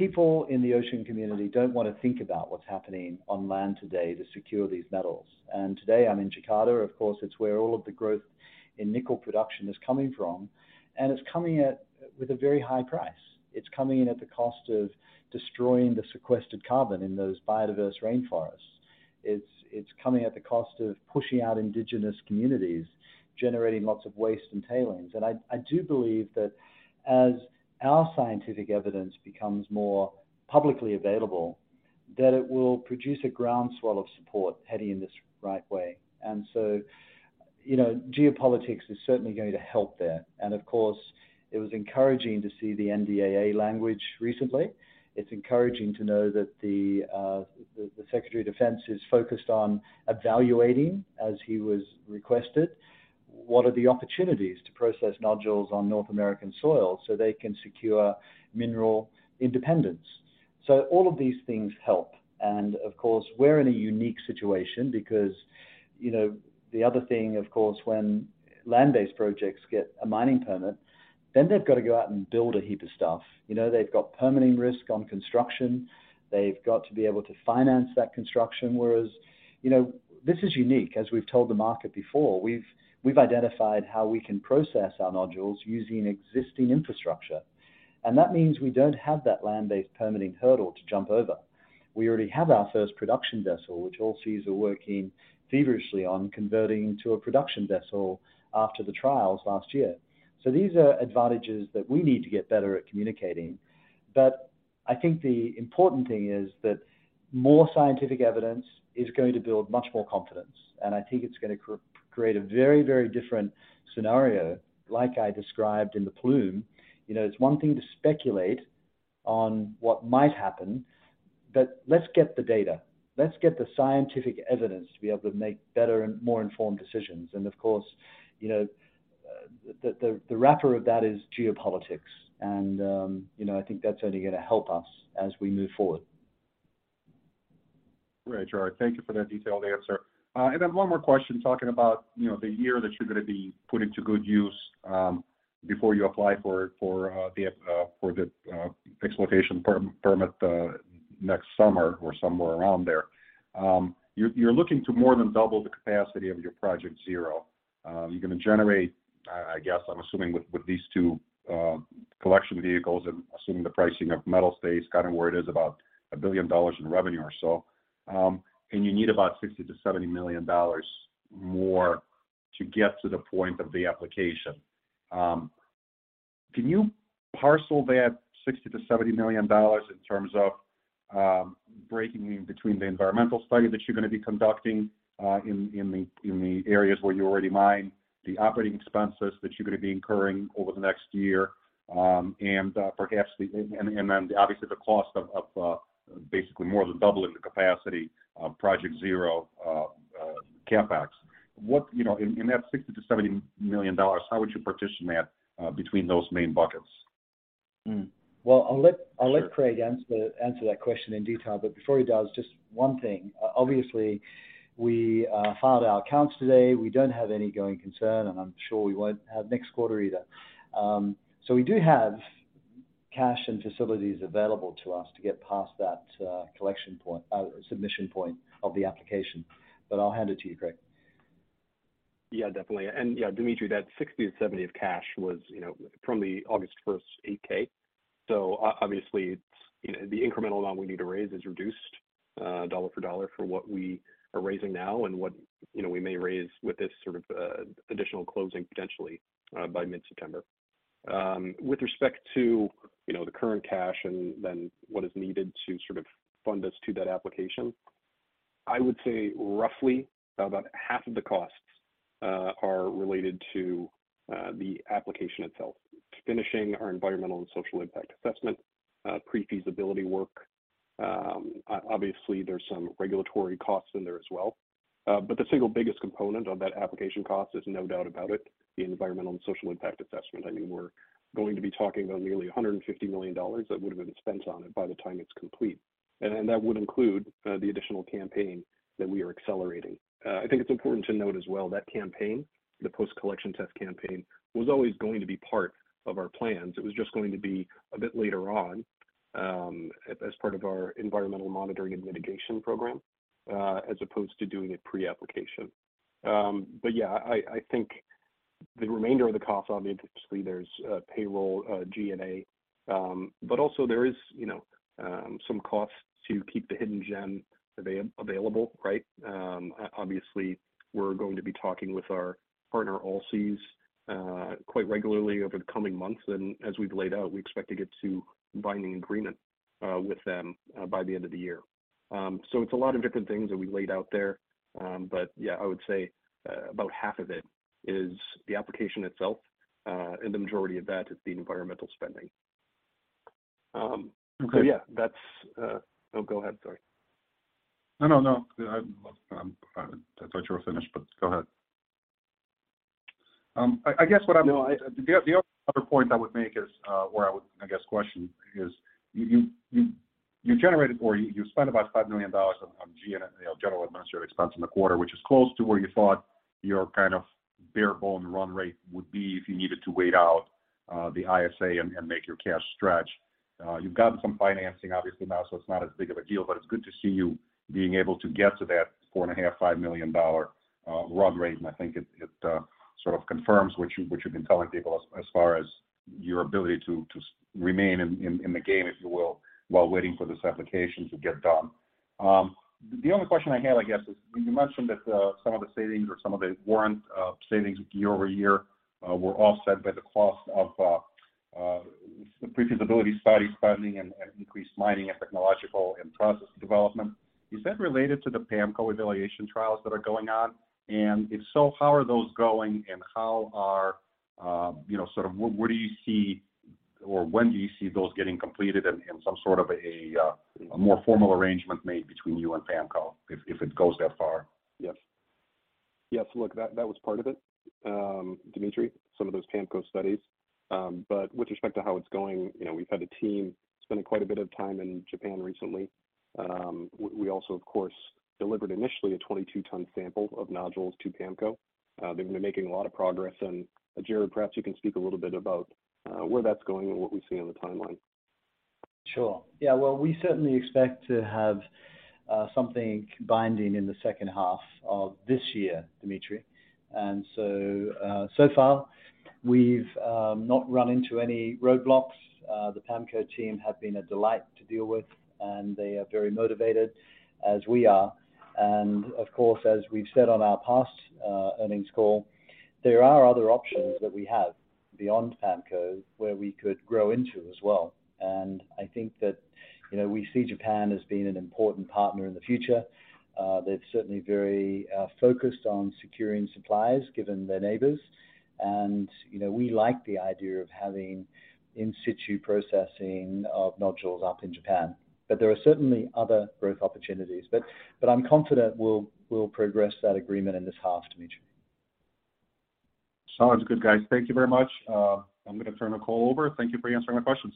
people in the ocean community don't want to think about what's happening on land today to secure these metals. Today, I'm in Jakarta, of course, it's where all of the growth in nickel production is coming from, and it's coming at with a very high price. It's coming in at the cost of destroying the sequestered carbon in those biodiverse rainforests. It's coming at the cost of pushing out indigenous communities, generating lots of waste and tailings. I, I do believe that as our scientific evidence becomes more publicly available, that it will produce a groundswell of support heading in this right way. So, you know, geopolitics is certainly going to help there. Of course, it was encouraging to see the NDAA language recently. It's encouraging to know that the Secretary of Defense is focused on evaluating, as he was requested, what are the opportunities to process nodules on North American soil so they can secure mineral independence. All of these things help. Of course, we're in a unique situation because, you know, the other thing, of course, when land-based projects get a mining permit, then they've got to go out and build a heap of stuff. You know, they've got permitting risk on construction. They've got to be able to finance that construction. Whereas, you know, this is unique. As we've told the market before, we've identified how we can process our nodules using existing infrastructure, and that means we don't have that land-based permitting hurdle to jump over. We already have our first production vessel, which Allseas are working feverishly on converting to a production vessel after the trials last year. These are advantages that we need to get better at communicating. I think the important thing is that more scientific evidence is going to build much more confidence, and I think it's going to create a very, very different scenario, like I described in the plume. You know, it's one thing to speculate on what might happen, but let's get the data. Let's get the scientific evidence to be able to make better and more informed decisions. Of course, you know, the, the, the wrapper of that is geopolitics, and, you know, I think that's only going to help us as we move forward. Great, Gerard. Thank you for that detailed answer. I have one more question talking about, you know, the year that you're going to be put into good use, before you apply for, for the, for the exploitation permit next summer or somewhere around there. You're, you're looking to more than double the capacity of your Project Zero. You're going to generate. I guess I'm assuming with these two collection vehicles and assuming the pricing of metal stays kind of where it is, about $1 billion in revenue or so. And you need about $60 million-$70 million more to get to the point of the application. Um, can you parcel that sixty to seventy million dollars in terms of, um, breaking between the environmental study that you're gonna be conducting, uh, in, in the, in the areas where you already mine, the operating expenses that you're gonna be incurring over the next year, um, and, uh, perhaps the, and, and, and then, obviously, the cost of, of, uh, basically more than doubling the capacity of Project Zero, uh, uh, CapEx? What... You know, in, in that sixty to seventy million dollars, how would you partition that, uh, between those main buckets? Well, I'll let Craig answer that question in detail. Before he does, just one thing. Obviously, we filed our accounts today. We don't have any going concern, and I'm sure we won't have next quarter either. We do have cash and facilities available to us to get past that collection point, submission point of the application. I'll hand it to you, Craig. Yeah, definitely. Yeah, Dmitry, that $60-70 of cash was, you know, from the August 1st 8-K. Obviously, it's, you know, the incremental amount we need to raise is reduced, dollar for dollar for what we are raising now and what, you know, we may raise with this sort of additional closing, potentially, by mid-September. With respect to, you know, the current cash and then what is needed to sort of fund us to that application, I would say roughly about half of the costs are related to the application itself. Finishing our Environmental and Social Impact Assessment, pre-feasibility work. Obviously, there's some regulatory costs in there as well. The single biggest component of that application cost is, no doubt about it, the Environmental and Social Impact Assessment. I mean, we're going to be talking about nearly $150 million that would have been spent on it by the time it's complete. That would include the additional campaign that we are accelerating. I think it's important to note as well, that campaign, the post-collection test campaign, was always going to be part of our plans. It was just going to be a bit later on, as part of our environmental monitoring and mitigation program, as opposed to doing it pre-application. Yeah, I, I think the remainder of the costs, obviously, there's payroll, G&A, but also there is, you know, some costs to keep the Hidden Gem available, right? Obviously, we're going to be talking with our partner, Allseas, quite regularly over the coming months. As we've laid out, we expect to get to a binding agreement, with them, by the end of the year. It's a lot of different things that we laid out there. Yeah, I would say, about half of it is the application itself, and the majority of that is the environmental spending. Okay. yeah, that's. Oh, go ahead, sorry. No, no, no. I, I'm, I thought you were finished, but go ahead. I, I guess what I'm- No. The other point I would make is, or I would, I guess, question is, you, you, you, you generated or you, you spent about $5 million on, on G&A, you know, general administrative expense in the quarter, which is close to where you thought your kind of bare-bone run rate would be if you needed to wait out the ISA and, and make your cash stretch. You've gotten some financing, obviously, now, so it's not as big of a deal, but it's good to see you being able to get to that $4.5 million-$5 million run rate. I think it, it, sort of confirms what you, what you've been telling people as, as far as your ability to, to remain in, in, in the game, if you will, while waiting for this application to get done. The only question I have, I guess, is when you mentioned that some of the savings or some of the warrant savings year-over-year were offset by the cost of the pre-feasibility studies funding and increased mining and technological and process development, is that related to the PAMCO evaluation trials that are going on? If so, how are those going, and how are, you know, sort of where do you see or when do you see those getting completed and some sort of a more formal arrangement made between you and PAMCO, if it goes that far? Yes. Yes, look, that, that was part of it, Dmitry, some of those PAMCO studies. With respect to how it's going, you know, we've had a team spending quite a bit of time in Japan recently. We, we also, of course, delivered initially a 22-ton sample of nodules to PAMCO. They've been making a lot of progress. Gerard, perhaps you can speak a little bit about, where that's going and what we see on the timeline. Sure. Yeah, well, we certainly expect to have something binding in the second half of this year, Dmitry. So far, we've not run into any roadblocks. The PAMCO team have been a delight to deal with, and they are very motivated, as we are. Of course, as we've said on our past earnings call, there are other options that we have beyond PAMCO, where we could grow into as well. I think that, you know, we see Japan as being an important partner in the future. They're certainly very focused on securing supplies, given their neighbors. You know, we like the idea of having in-situ processing of nodules up in Japan. There are certainly other growth opportunities. I'm confident we'll progress that agreement in this half, Dmitry. Sounds good, guys. Thank you very much. I'm gonna turn the call over. Thank you for answering my questions.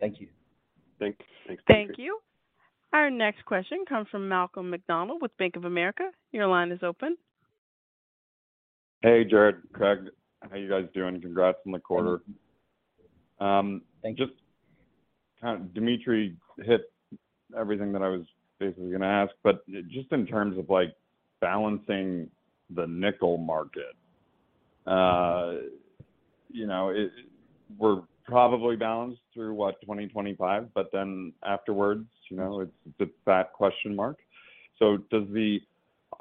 Thank you. Thank you. Thank you. Our next question comes from Malcolm McDonald with Bank of America. Your line is open. Hey, Gerard, Craig. How you guys doing? Congrats on the quarter. Thank you. ...kind of Dmitry hit everything that I was basically gonna ask. Just in terms of, like, balancing the nickel market, you know, it, we're probably balanced through what? 2025. Then afterwards, you know, it's, it's that question mark. Does the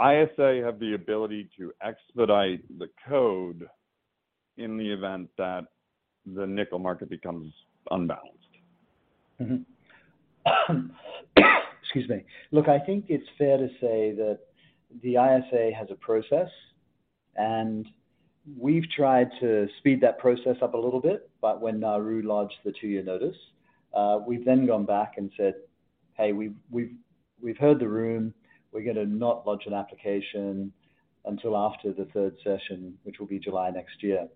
ISA have the ability to expedite the code in the event that the nickel market becomes unbalanced? Excuse me. Look, I think it's fair to say that the ISA has a process, and we've tried to speed that process up a little bit. When Nauru lodged the two-year notice, we've then gone back and said: Hey, we've, we've, we've heard the room. We're gonna not lodge an application until after the third session, which will be July next year.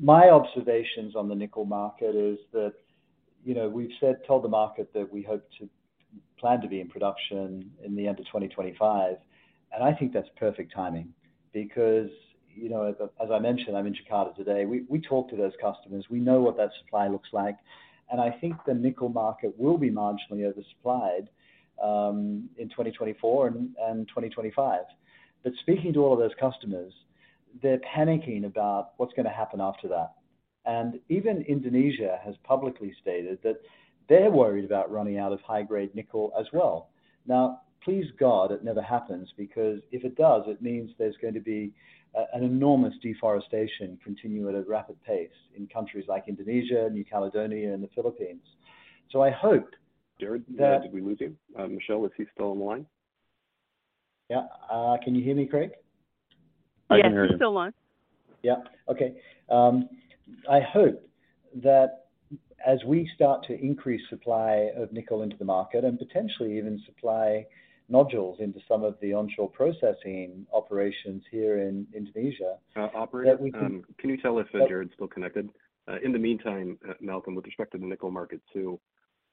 My observations on the nickel market is that, you know, we've said, told the market that we hope to plan to be in production in the end of 2025, and I think that's perfect timing. You know, as, as I mentioned, I'm in Jakarta today. We, we talk to those customers. We know what that supply looks like, and I think the nickel market will be marginally oversupplied in 2024 and 2025. Speaking to all of those customers, they're panicking about what's gonna happen after that. Even Indonesia has publicly stated that they're worried about running out of high-grade nickel as well. Please, God, it never happens, because if it does, it means there's going to be an enormous deforestation continue at a rapid pace in countries like Indonesia, New Caledonia, and the Philippines. I hope that... Gerard, did we lose you? Michelle, is he still on the line? Yeah. Can you hear me, Craig? I can hear you. Yes, he's still on. Yeah. Okay. I hope that as we start to increase supply of nickel into the market and potentially even supply nodules into some of the onshore processing operations here in Indonesia. Operator, can you tell if Gerard's still connected? In the meantime, Malcolm, with respect to the nickel market too,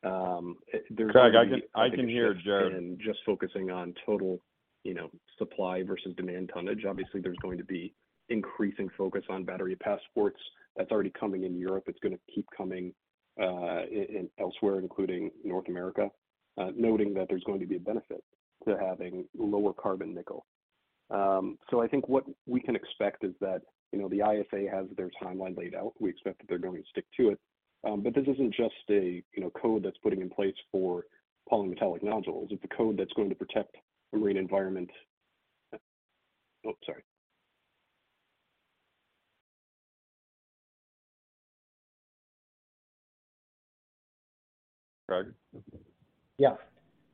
there's- Craig, I can, I can hear Gerard. Just focusing on total, you know, supply versus demand tonnage. Obviously, there's going to be increasing focus on battery passports. That's already coming in Europe. It's gonna keep coming in elsewhere, including North America. Noting that there's going to be a benefit to having lower carbon nickel. So I think what we can expect is that, you know, the ISA has their timeline laid out. We expect that they're going to stick to it. But this isn't just a, you know, code that's putting in place for polymetallic nodules. It's a code that's going to protect the marine environment. Oh, sorry. Craig? Yeah.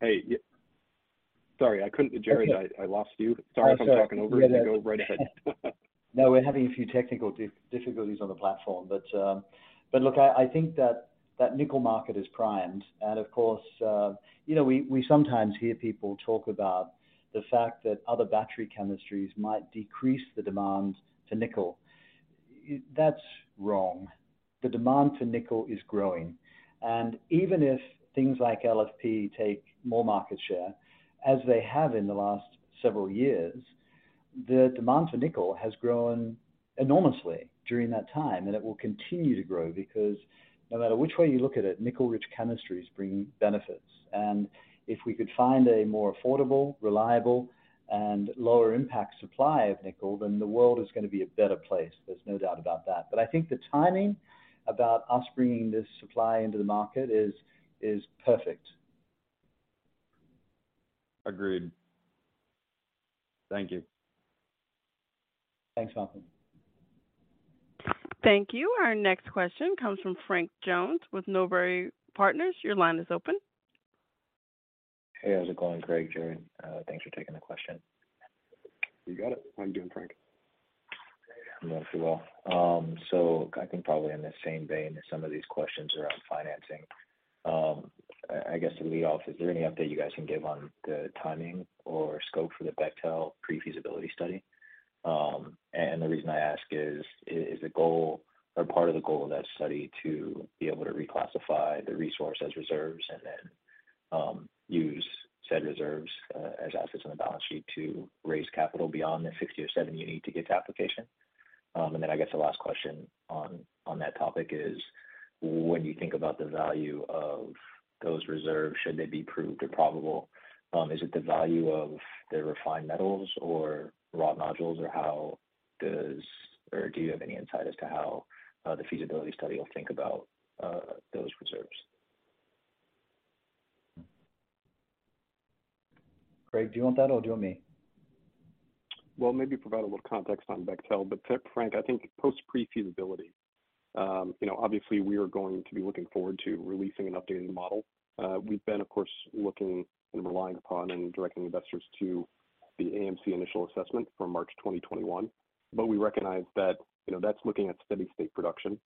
Hey, sorry, Gerard, I lost you. Okay. Sorry if I'm talking over you. Go right ahead. We're having a few technical difficulties on the platform, I think that that nickel market is primed. You know, we sometimes hear people talk about the fact that other battery chemistries might decrease the demand to nickel. That's wrong. The demand for nickel is growing, and even if things like LFP take more market share, as they have in the last several years, the demand for nickel has grown enormously during that time, and it will continue to grow because no matter which way you look at it, nickel-rich chemistries bring benefits. If we could find a more affordable, reliable, and lower impact supply of nickel, then the world is gonna be a better place. There's no doubt about that. I think the timing about us bringing this supply into the market is perfect. Agreed. Thank you. Thanks, Malcolm. Thank you. Our next question comes from Frank Jones with Norbury Partners. Your line is open. Hey, how's it going, Craig, Gerard? Thanks for taking the question. You got it. How you doing, Frank? I'm well, too well. I think probably in the same vein as some of these questions around financing, I, I guess to lead off, is there any update you guys can give on the timing or scope for the Bechtel pre-feasibility study? The reason I ask is, is, is the goal or part of the goal of that study to be able to reclassify the resource as reserves and then use said reserves as assets on the balance sheet to raise capital beyond the $60 or $70 you need to get to application? Then I guess the last question on, on that topic is: When you think about the value of those reserves, should they be proved or probable, is it the value of the refined metals or raw nodules? Do you have any insight as to how the feasibility study will think about those reserves? Craig, do you want that or do you want me? Well, maybe provide a little context on Bechtel, but Frank, I think post pre-feasibility, you know, obviously we are going to be looking forward to releasing an updated model. We've been, of course, looking and relying upon and directing investors to the AMC initial assessment for March 2021. We recognize that, you know, that's looking at steady state production,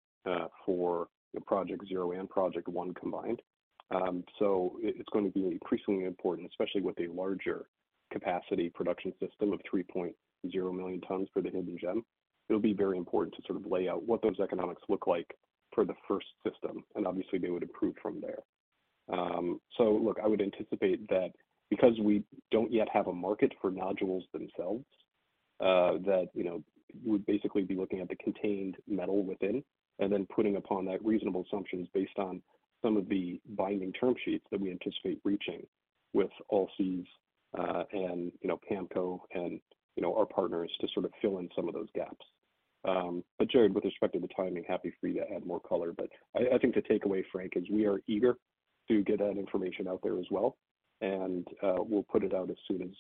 for Project Zero and Project One combined. It, it's gonna be increasingly important, especially with a larger capacity production system of 3.0 million tons for the Hidden Gem. It'll be very important to sort of lay out what those economics look like for the first system, and obviously, they would improve from there.... Look, I would anticipate that because we don't yet have a market for nodules themselves, that, you know, we'd basically be looking at the contained metal within, and then putting upon that reasonable assumptions based on some of the binding term sheets that we anticipate reaching with Allseas, and, you know, PAMCO and, you know, our partners to sort of fill in some of those gaps. Gerard, with respect to the timing, happy for you to add more color. I think the takeaway, Frank, is we are eager to get that information out there as well, and we'll put it out as soon as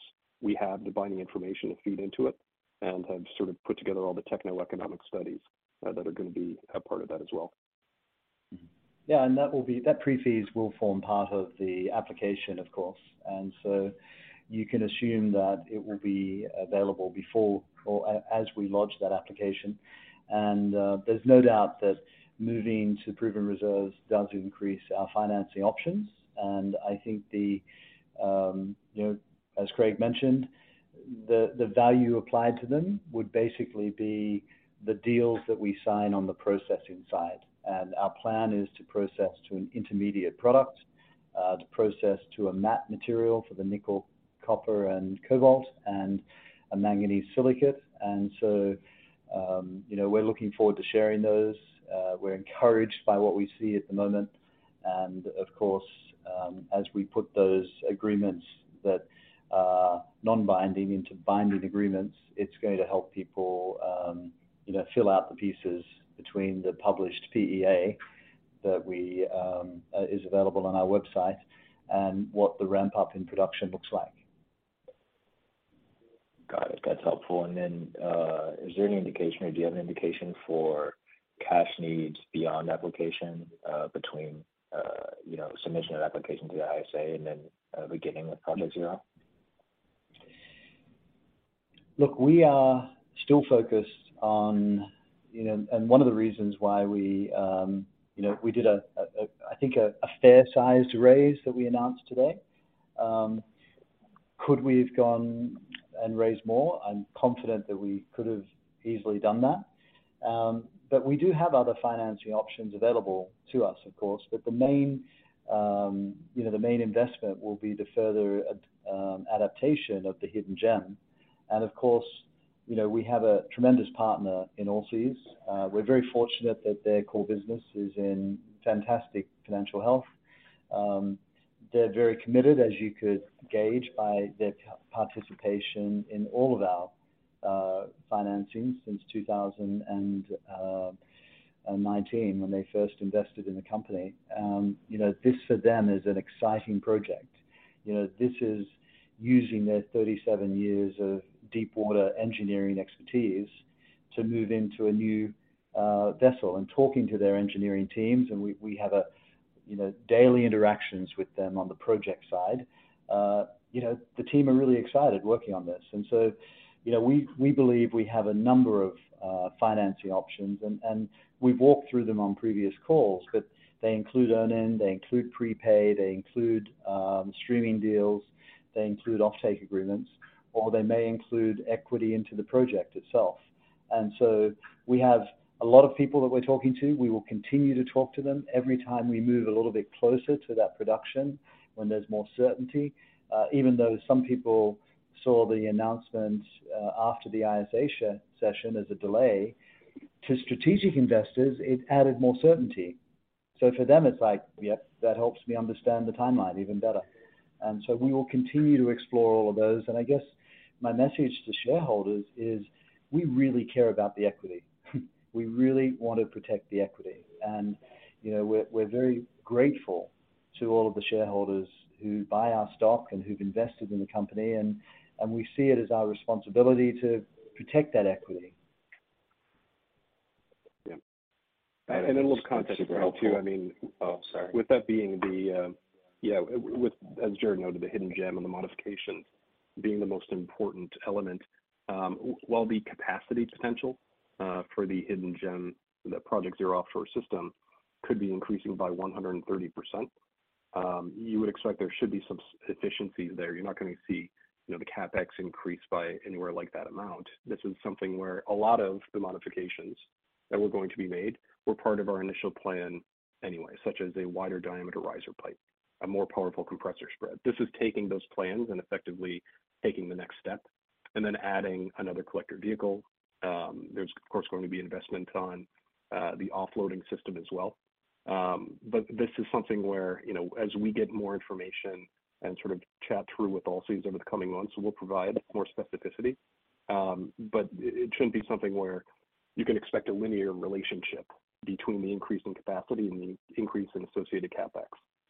we have the binding information to feed into it and have sort of put together all the techno-economic studies that are gonna be a part of that as well. Yeah, that will be that pre-feas will form part of the application, of course. You can assume that it will be available before or as we lodge that application. There's no doubt that moving to proven reserves does increase our financing options. I think the, you know, as Craig mentioned, the, the value applied to them would basically be the deals that we sign on the processing side. Our plan is to process to an intermediate product, to process to a matte material for the nickel, copper, and cobalt, and a manganese silicate. You know, we're looking forward to sharing those. We're encouraged by what we see at the moment. Of course, as we put those agreements that are non-binding into binding agreements, it's going to help people, you know, fill out the pieces between the published PEA that we, is available on our website, and what the ramp-up in production looks like. Got it. That's helpful. Then, is there any indication or do you have an indication for cash needs beyond application, between, you know, submission of application to the ISA and then beginning with Project Zero? Look, we are still focused on, you know. One of the reasons why we, you know, we did, I think, a fair-sized raise that we announced today. Could we have gone and raised more? I'm confident that we could have easily done that. We do have other financing options available to us, of course. The main, you know, the main investment will be the further adaptation of the Hidden Gem. Of course, you know, we have a tremendous partner in Allseas. We're very fortunate that their core business is in fantastic financial health. They're very committed, as you could gauge by their participation in all of our financings since 2019, when they first invested in the company. You know, this, for them, is an exciting project. You know, this is using their 37 years of deepwater engineering expertise to move into a new vessel. Talking to their engineering teams, and we, we have a, you know, daily interactions with them on the project side, you know, the team are really excited working on this. We, you know, we believe we have a number of financing options, and, and we've walked through them on previous calls, but they include earn-in, they include prepay, they include streaming deals, they include offtake agreements, or they may include equity into the project itself. We have a lot of people that we're talking to. We will continue to talk to them every time we move a little bit closer to that production when there's more certainty. Even though some people saw the announcement after the ISA session as a delay, to strategic investors, it added more certainty. For them, it's like: Yep, that helps me understand the timeline even better. We will continue to explore all of those. I guess my message to shareholders is, we really care about the equity. We really want to protect the equity. You know, we're very grateful to all of the shareholders who buy our stock and who've invested in the company, and we see it as our responsibility to protect that equity. Yeah. A little context. Super helpful. too. I mean- Oh, sorry. With that being the, with, as Gerard noted, the Hidden Gem and the modifications being the most important element, while the capacity potential for the Hidden Gem, the Project Zero offshore system, could be increasing by 130%, you would expect there should be some efficiencies there. You're not gonna see, you know, the CapEx increase by anywhere like that amount. This is something where a lot of the modifications that were going to be made were part of our initial plan anyway, such as a wider diameter riser pipe, a more powerful compressor spread. This is taking those plans and effectively taking the next step and then adding another collector vehicle. There's, of course, going to be investment on the offloading system as well. This is something where, you know, as we get more information and sort of chat through with Allseas over the coming months, we'll provide more specificity. It, it shouldn't be something where you can expect a linear relationship between the increase in capacity and the increase in associated CapEx.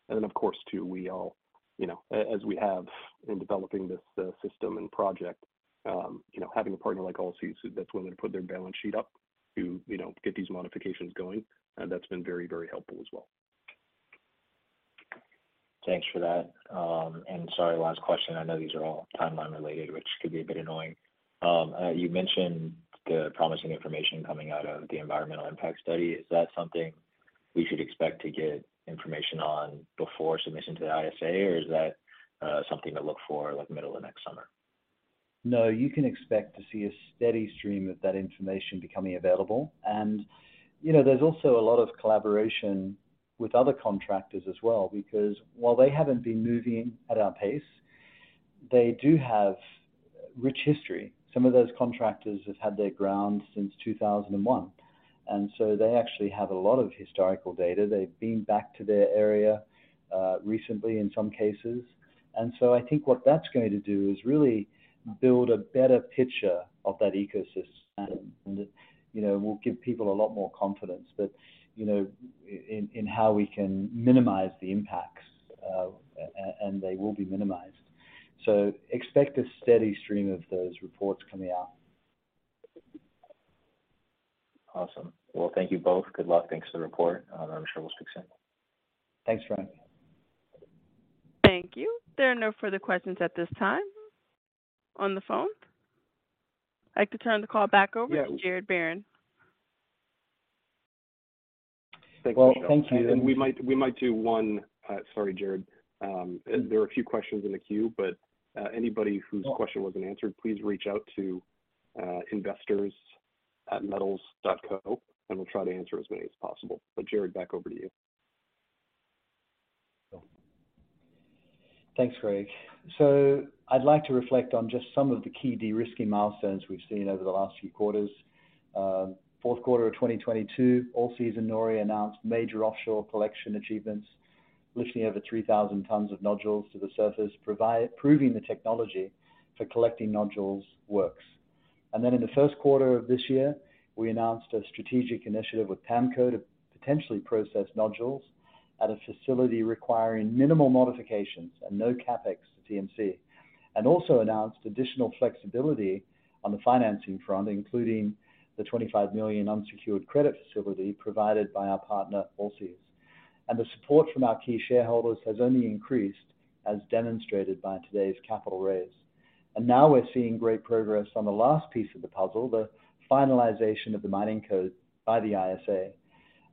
Then, of course, too, we all, you know, as we have in developing this system and project, you know, having a partner like Allseas, that's willing to put their balance sheet up to, you know, get these modifications going, and that's been very, very helpful as well. Thanks for that. Sorry, last question. I know these are all timeline related, which could be a bit annoying. You mentioned the promising information coming out of the environmental impact study. Is that something we should expect to get information on before submission to the ISA, or is that something to look for, like, middle of next summer? ... No, you can expect to see a steady stream of that information becoming available. You know, there's also a lot of collaboration with other contractors as well, because while they haven't been moving at our pace, they do have rich history. Some of those contractors have had their grounds since 2001, and so they actually have a lot of historical data. They've been back to their area recently in some cases. I think what that's going to do is really build a better picture of that ecosystem, and, you know, we'll give people a lot more confidence that, you know, in how we can minimize the impacts, and they will be minimized. Expect a steady stream of those reports coming out. Awesome. Well, thank you both. Good luck. Thanks for the report. I'm sure we'll speak soon. Thanks, Frank. Thank you. There are no further questions at this time on the phone. I'd like to turn the call back over to Gerard Barron. Well, thank you. We might, we might do one. Sorry, Gerard. There are a few questions in the queue, but anybody whose question wasn't answered, please reach out to investors@metals.co, and we'll try to answer as many as possible. Gerard, back over to you. Thanks, Craig. I'd like to reflect on just some of the key de-risking milestones we've seen over the last few quarters. Fourth quarter of 2022, Allseas and NORI announced major offshore collection achievements, lifting over 3,000 tons of nodules to the surface, proving the technology for collecting nodules works. In the first quarter of this year, we announced a strategic initiative with PAMCO to potentially process nodules at a facility requiring minimal modifications and no CapEx to TMC. Also announced additional flexibility on the financing front, including the $25 million unsecured credit facility provided by our partner, Allseas. The support from our key shareholders has only increased, as demonstrated by today's capital raise. Now we're seeing great progress on the last piece of the puzzle, the finalization of the Mining Code by the ISA.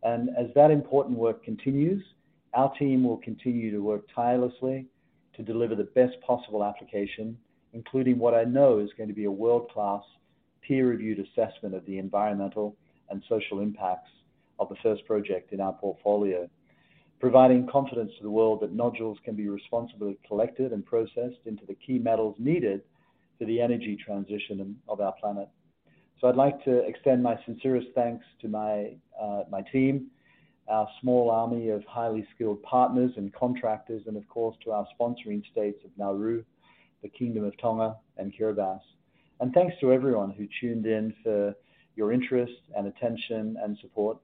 As that important work continues, our team will continue to work tirelessly to deliver the best possible application, including what I know is going to be a world-class, peer-reviewed assessment of the environmental and social impacts of the first project in our portfolio. Providing confidence to the world that nodules can be responsibly collected and processed into the key metals needed for the energy transition of our planet. I'd like to extend my sincerest thanks to my team, our small army of highly skilled partners and contractors, and of course, to our sponsoring States of Nauru, the Kingdom of Tonga and Kiribati. Thanks to everyone who tuned in for your interest and attention, and support.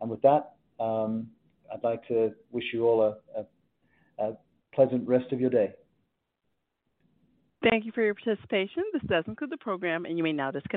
With that, I'd like to wish you all a pleasant rest of your day. Thank you for your participation. This does conclude the program. You may now disconnect.